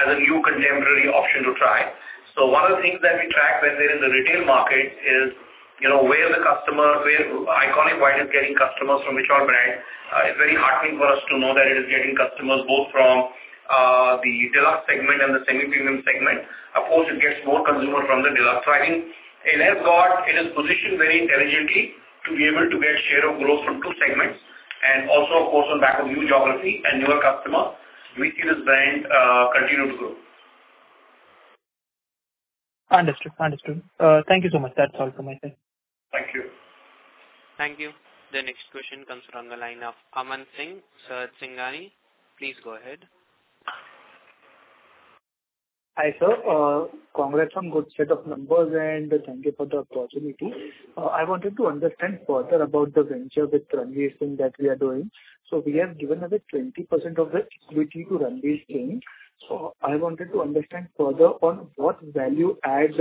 as a new contemporary option to try. So one of the things that we track when we're in the retail market is where the customer ICONiQ White is getting customers from which our brand. It's very heartening for us to know that it is getting customers both from the deluxe segment and the semi-premium segment. Of course, it gets more consumers from the deluxe. So I think it has got it is positioned very intelligently to be able to get share of growth from two segments. And also, of course, on back of new geography and newer customers, we see this brand continue to grow.
Understood. Understood. Thank you so much. That's all from my side.
Thank you.
Thank you. The next question comes from the line of Aman Singh Sahajsinghanii, please go ahead.
Hi sir. Congrats on good set of numbers, and thank you for the opportunity. I wanted to understand further about the venture with Ranveer Singh that we are doing. So we have given away 20% of the equity to Ranveer Singh. So I wanted to understand further on what value add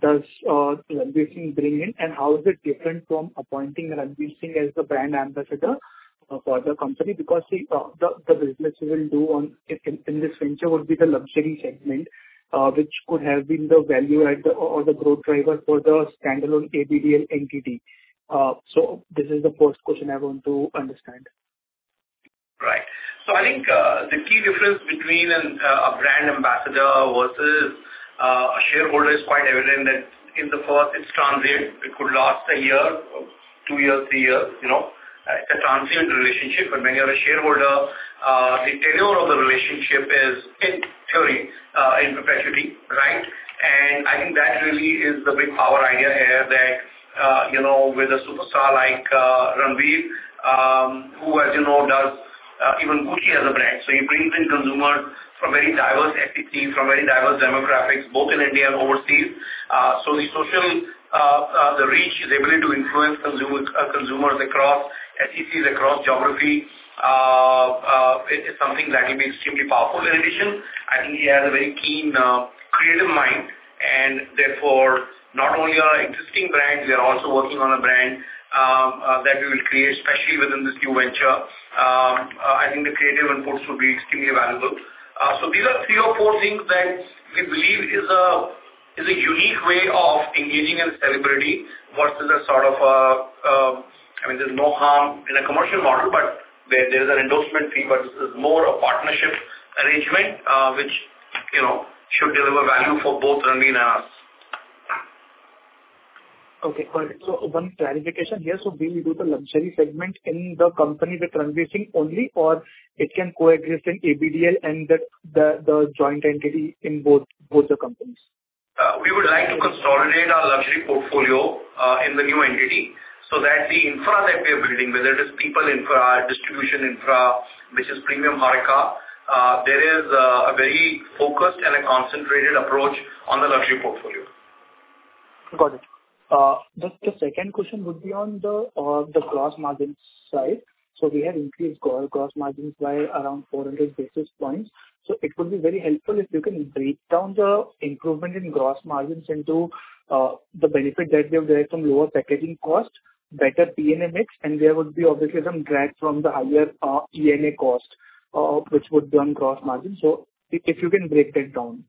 does Ranveer Singh bring in and how is it different from appointing Ranveer Singh as the brand ambassador for the company because the business we will do in this venture would be the luxury segment, which could have been the value add or the growth driver for the standalone ABDL entity. So this is the first question I want to understand.
I think the key difference between a brand ambassador versus a shareholder is quite evident that in the first, it's transient. It could last a year, two years, three years. It's a transient relationship. When you have a shareholder, the tenure of the relationship is, in theory, in perpetuity, right? I think that really is the big power idea here that with a superstar like Ranveer, who does even Gucci as a brand. He brings in consumers from very diverse SECs, from very diverse demographics, both in India and overseas. The social reach is able to influence consumers across SECs, across geography. It's something that will be extremely powerful. In addition, I think he has a very keen creative mind, and therefore, not only our existing brand, we are also working on a brand that we will create, especially within this new venture. I think the creative inputs will be extremely valuable. These are three or four things that we believe is a unique way of engaging a celebrity versus a sort of, I mean, there's no harm in a commercial model, but there is an endorsement fee, but this is more a partnership arrangement, which should deliver value for both Ranveer and us.
Perfect. So one clarification here. So will you do the luxury segment in the company with Ranveer Singh only, or it can coexist in ABDL and the joint entity in both the companies?
We would like to consolidate our luxury portfolio in the new entity so that the infra that we are building, whether it is people infra, distribution infra, which is premium HoReCa, there is a very focused and a concentrated approach on the luxury portfolio.
Got it. The second question would be on the gross margin side. So we have increased gross margins by around 400 basis points. So it would be very helpful if you can break down the improvement in gross margins into the benefit that they have therefrom lower packaging cost, better P&A mix, and there would be obviously some drag from the higher ENA cost, which would be on gross margin. So if you can break that down.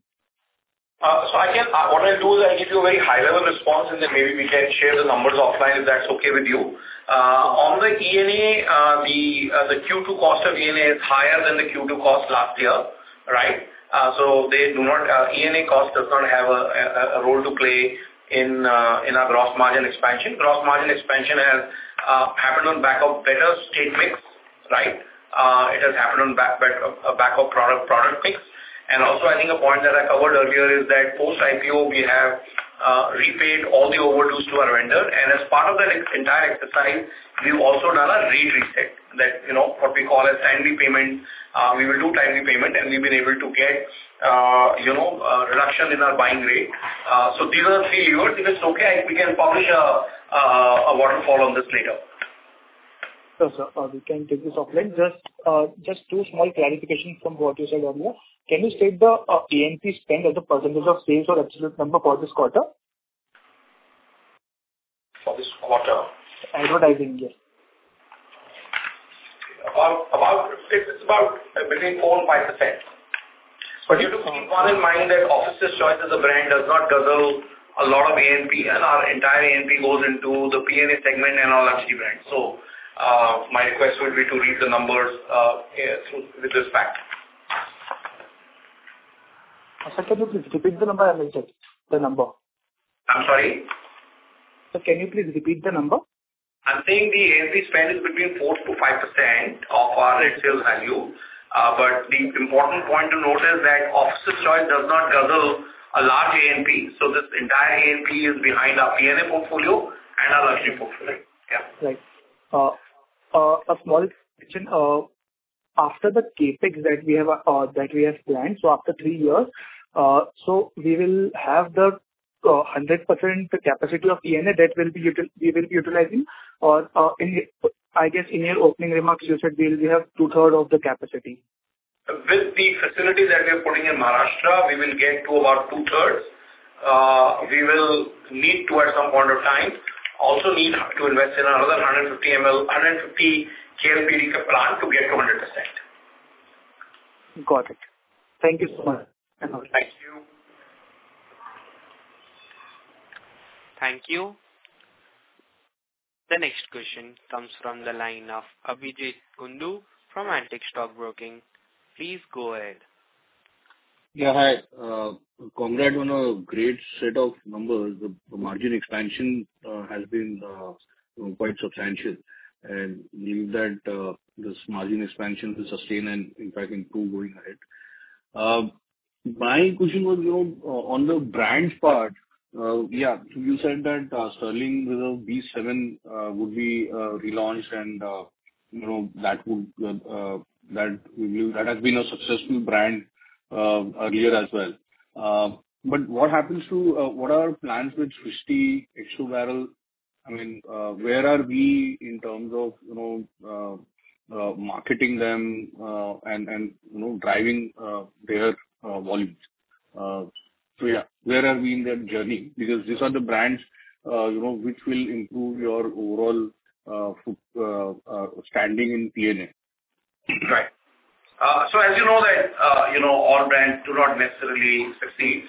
What I'll do is I'll give you a very high-level response, and then maybe we can share the numbers offline if that's okay with you. On the ENA, the Q2 cost of ENA is higher than the Q2 cost last year, right? So ENA cost does not have a role to play in our gross margin expansion. Gross margin expansion has happened on back of better state mix, right? It has happened on back of product mix. Also, I think a point that I covered earlier is that post-IPO, we have repaid all the overdues to our vendor. As part of that entire exercise, we've also done a rate reset, what we call a timely payment. We will do timely payment, and we've been able to get a reduction in our buying rate. So these are the three levers. If it's okay, we can publish a waterfall on this later.
Sir, sorry, can you take this offline? Just two small clarifications from what you said earlier. Can you state the A&P spend as a percentage of sales or absolute number for this quarter?
For this quarter?
Advertising, yes.
It's about between 4%-5%. But you have to keep one in mind that Officer's Choice as a brand does not guzzle a lot of ENA, and our entire ENA goes into the P&A segment and all luxury brands. So my request would be to read the numbers with respect.
If you can please repeat the number and I'll check the number.
I'm sorry?
So can you please repeat the number? I'm saying the ENA spend is between 4-5% of our sales value. But the important point to note is that Officer's Choice does not guzzle a large ENA. So this entire ENA is behind our P&A portfolio and our luxury portfolio. A small question. After the CapEx that we have planned, so after three years, so we will have the 100% capacity of ENA that we will be utilizing. In your opening remarks, you said we will have two-thirds of the capacity.
With the facility that we are putting in Maharashtra, we will get to about two-thirds. We will need to, at some point of time, invest in another 150 KLPD plant to get to 100%.
Got it. Thank you so much.
Thank you.
Thank you. The next question comes from the line of Abhijit Kundu from Antique Stock Broking. Please go ahead.
Hi. Congrats on a great set of numbers. The margin expansion has been quite substantial, and we believe that this margin expansion will sustain and, in fact, improve going ahead. My question was on the brand part. You said that Sterling Reserve B7 would be relaunched, and that has been a successful brand earlier as well. But what happens to what are our plans with Srishti, X&O? I mean, where are we in terms of marketing them and driving their volumes? Where are we in that journey? Because these are the brands which will improve your overall standing in P&A.
So as you know, all brands do not necessarily succeed.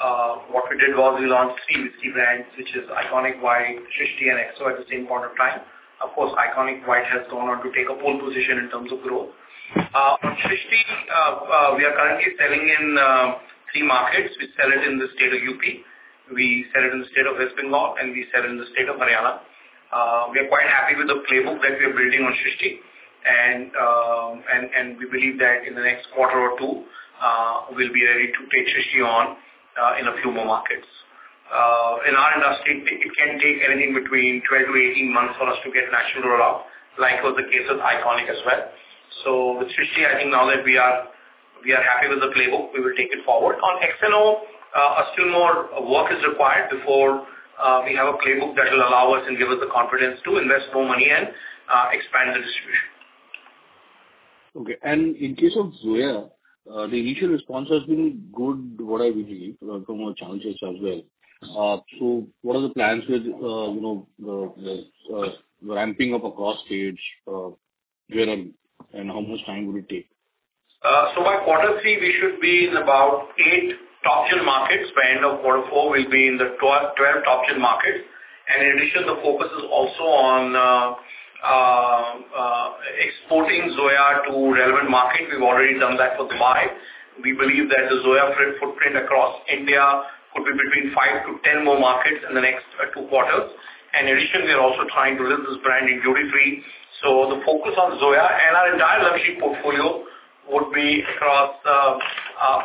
So what we did was we launched three whiskey brands, which is ICONiQ White, Srishti, and X&O at the same point of time. Of course, ICONiQ White has gone on to take a pole position in terms of growth. On Srishti, we are currently selling in three markets. We sell it in the state of UP. We sell it in the state of West Bengal, and we sell it in the state of Haryana. We are quite happy with the playbook that we are building on Srishti. We believe that in the next quarter or two, we'll be ready to take Srishti on in a few more markets. In our industry, it can take anything between 12 to 18 months for us to get national rollout, like was the case with ICONiQ as well. With Srishti, I think now that we are happy with the playbook, we will take it forward. On X&O, still more work is required before we have a playbook that will allow us and give us the confidence to invest more money and expand the distribution.
In case of Zoya, the initial response has been good, what I believe, from our channels as well. What are the plans with the ramping up across states? And how much time will it take?
By quarter three, we should be in about eight top-tier markets. By end of quarter four, we'll be in the 12 top-tier markets, and in addition, the focus is also on exporting Zoya to relevant markets. We've already done that for the UAE. We believe that the Zoya footprint across India could be between five to 10 more markets in the next two quarters. In addition, we are also trying to release this brand in duty-free, so the focus on Zoya and our entire luxury portfolio would be across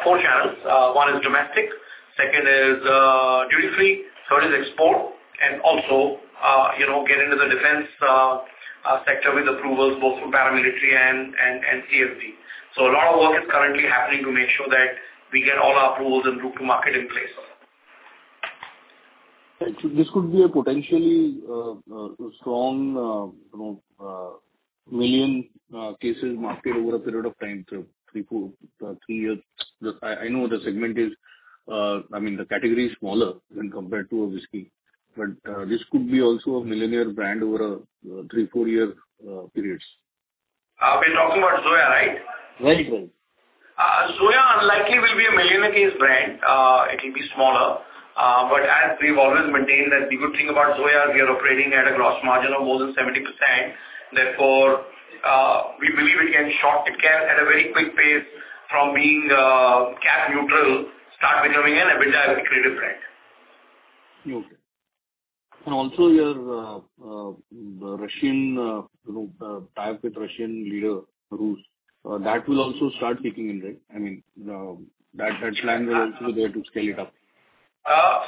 four channels. One is domestic, second is duty-free, third is export, and also get into the defense sector with approvals both from paramilitary and CSD, so a lot of work is currently happening to make sure that we get all our approvals and route to market in place. This could be a potentially strong million cases market over a period of time to three years.
I know the segment is, I mean, the category is smaller when compared to a whiskey. But this could be also a millionaire brand over a three-to-four-year period.
We're talking about Zoya, right?
Right.
Zoya unlikely will be a millionaire case brand. It will be smaller. But as we've always maintained that the good thing about Zoya is we are operating at a gross margin of more than 70%. Therefore, we believe it can, at a very quick pace, from being CapEx neutral, start becoming an everyday accretive brand.
Also, the Russian leader, Roust, that will also start kicking in, right? I mean, that plan will also be there to scale it up.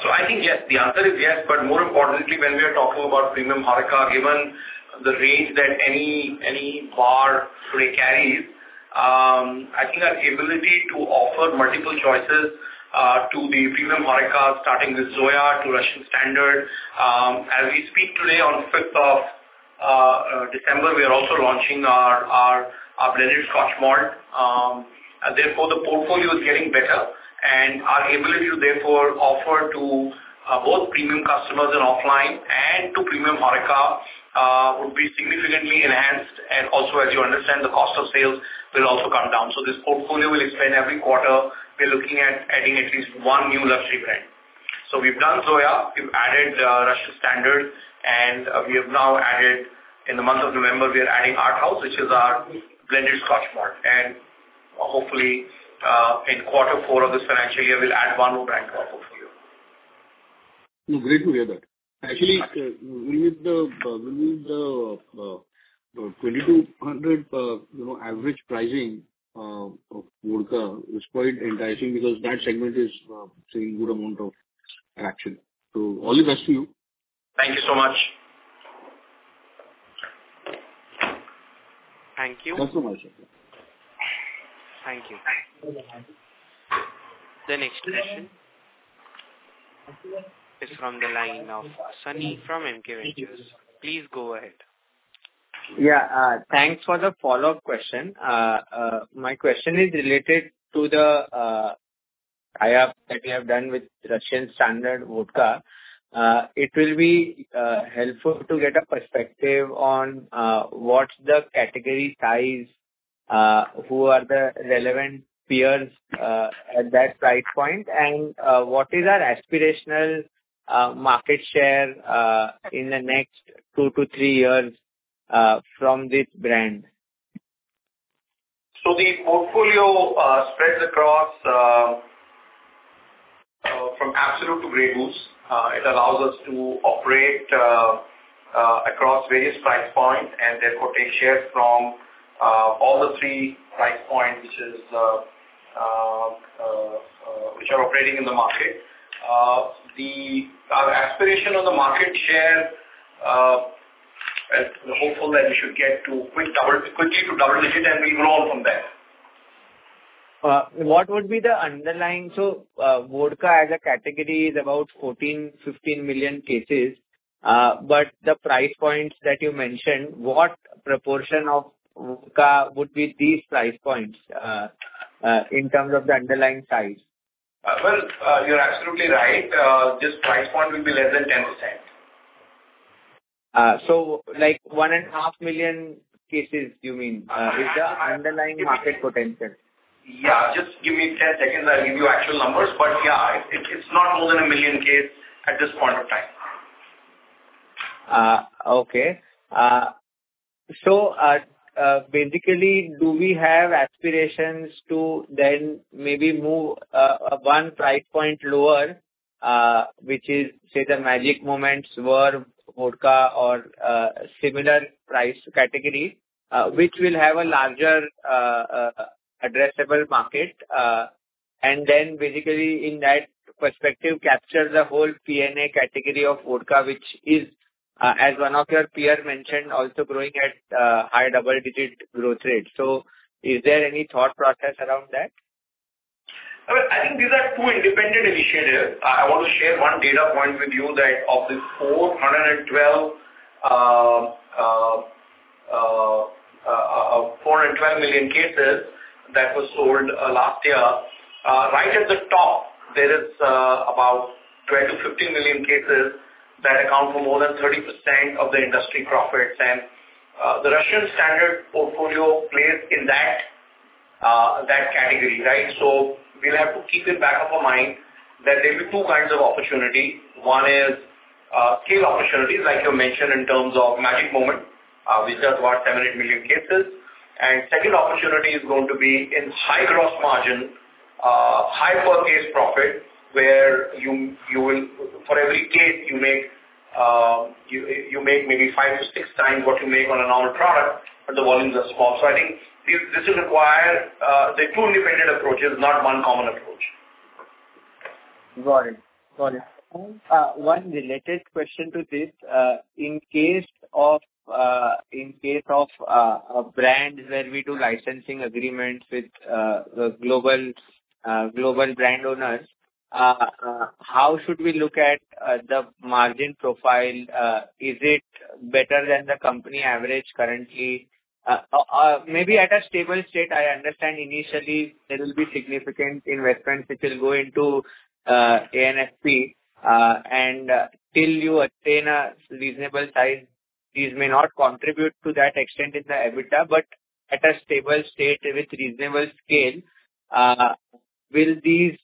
So I think yes. The answer is yes. But more importantly, when we are talking about premium horeca, given the range that any bar today carries, I think our ability to offer multiple choices to the premium horeca, starting with Zoya to Russian Standard. As we speak today, on 5th of December, we are also launching our blended Scotch malt and therefore the portfolio is getting better. And our ability to therefore offer to both premium customers and offline and to premium horeca would be significantly enhanced. And also, as you understand, the cost of sales will also come down. So this portfolio will expand every quarter. We're looking at adding at least one new luxury brand. So we've done Zoya; we've added Russian Standard. And we have now added, in the month of November, we are adding Art House, which is our blended Scotch malt. And hopefully, in quarter four of this financial year, we'll add one more brand to our portfolio. Great to hear that. Actually, with the 2,200 average pricing of vodka is quite enticing because that segment is seeing a good amount of action.
So all the best to you.
Thank you so much.
Thank you.
Thanks so much.
Thank you. The next question is from the line of Sunny from MK Ventures. Please go ahead.
Thanks for the follow-up question. My question is related to the tie-up that we have done with Russian Standard Vodka. It will be helpful to get a perspective on what's the category size, who are the relevant peers at that price point, and what is our aspirational market share in the next two to three years from this brand.
So the portfolio spreads across from Absolut to Grey Goose. It allows us to operate across various price points and therefore take shares from all the three price points which are operating in the market. The aspiration on the market share, I'm hopeful that we should get quickly to double-digit and we'll grow from there.
\What would be the underlying? So vodka as a category is about 14-15 million cases. But the price points that you mentioned, what proportion of vodka would be these price points in terms of the underlying size?
Well, you're absolutely right. This price point will be less than 10%.
So like 1.5 million cases, you mean, is the underlying market potential?
Just give me 10 seconds, and I'll give you actual numbers. But it's not more than a million cases at this point of time.
So basically, do we have aspirations to then maybe move one price point lower, which is, say, the Magic Moments Vodka or similar price category, which will have a larger addressable market? And then basically, in that perspective, capture the whole P&A category of vodka, which is, as one of your peers mentioned, also growing at high double-digit growth rates. Is there any thought process around that?
I think these are two independent initiatives. I want to share one data point with you that of the 412 million cases that were sold last year, right at the top, there is about 12-15 million cases that account for more than 30% of the industry profits. And the Russian Standard portfolio plays in that category, right? We'll have to keep in back of our mind that there will be two kinds of opportunity. One is scale opportunities, like you mentioned, in terms of Magic Moments, which are about 700 million cases. And second opportunity is going to be in high gross margin, high per-case profit, where for every case, you make maybe 5x-6x what you make on a normal product, but the volumes are small. So I think this will require the two independent approaches, not one common approach.
Got it. Got it. One related question to this. In case of a brand where we do licensing agreements with the global brand owners, how should we look at the margin profile? Is it better than the company average currently? Maybe at a stable state, I understand initially there will be significant investments which will go into A&P. And till you attain a reasonable size, these may not contribute to that extent in the EBITDA. But at a stable state with reasonable scale, will these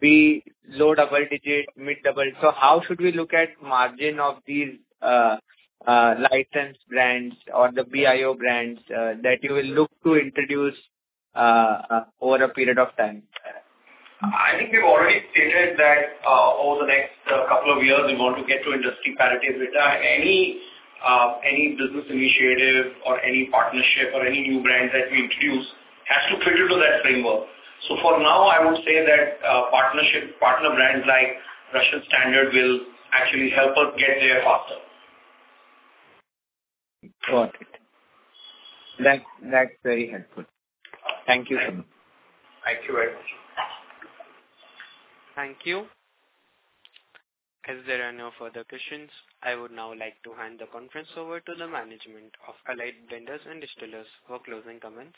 be low double-digit, mid double? So how should we look at the margin of these licensed brands or the BIO brands that you will look to introduce over a period of time?
I think we've already stated that over the next couple of years, we want to get to industry parity. Any business initiative or any partnership or any new brand that we introduce has to fit into that framework. So for now, I would say that partner brands like Russian Standard will actually help us get there faster.
Got it. That's very helpful. Thank you so much.
Thank you very much.
Thank you. Is there any further questions? I would now like to hand the conference over to the management of Allied Blenders and Distillers for closing comments.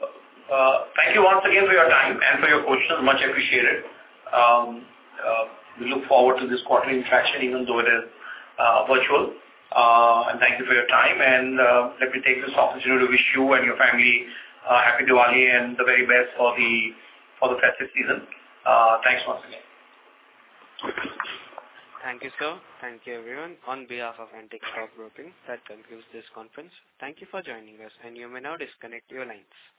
Thank you once again for your time and for your questions. Much appreciated. We look forward to this quarterly interaction, even though it is virtual. And thank you for your time. And let me take this opportunity to wish you and your family a Happy Diwali and the very best for the festive season. Thanks once again.
Thank you, sir. Thank you, everyone. On behalf of Antique Stock Broking, that concludes this conference. Thank you for joining us, and you may now disconnect your lines.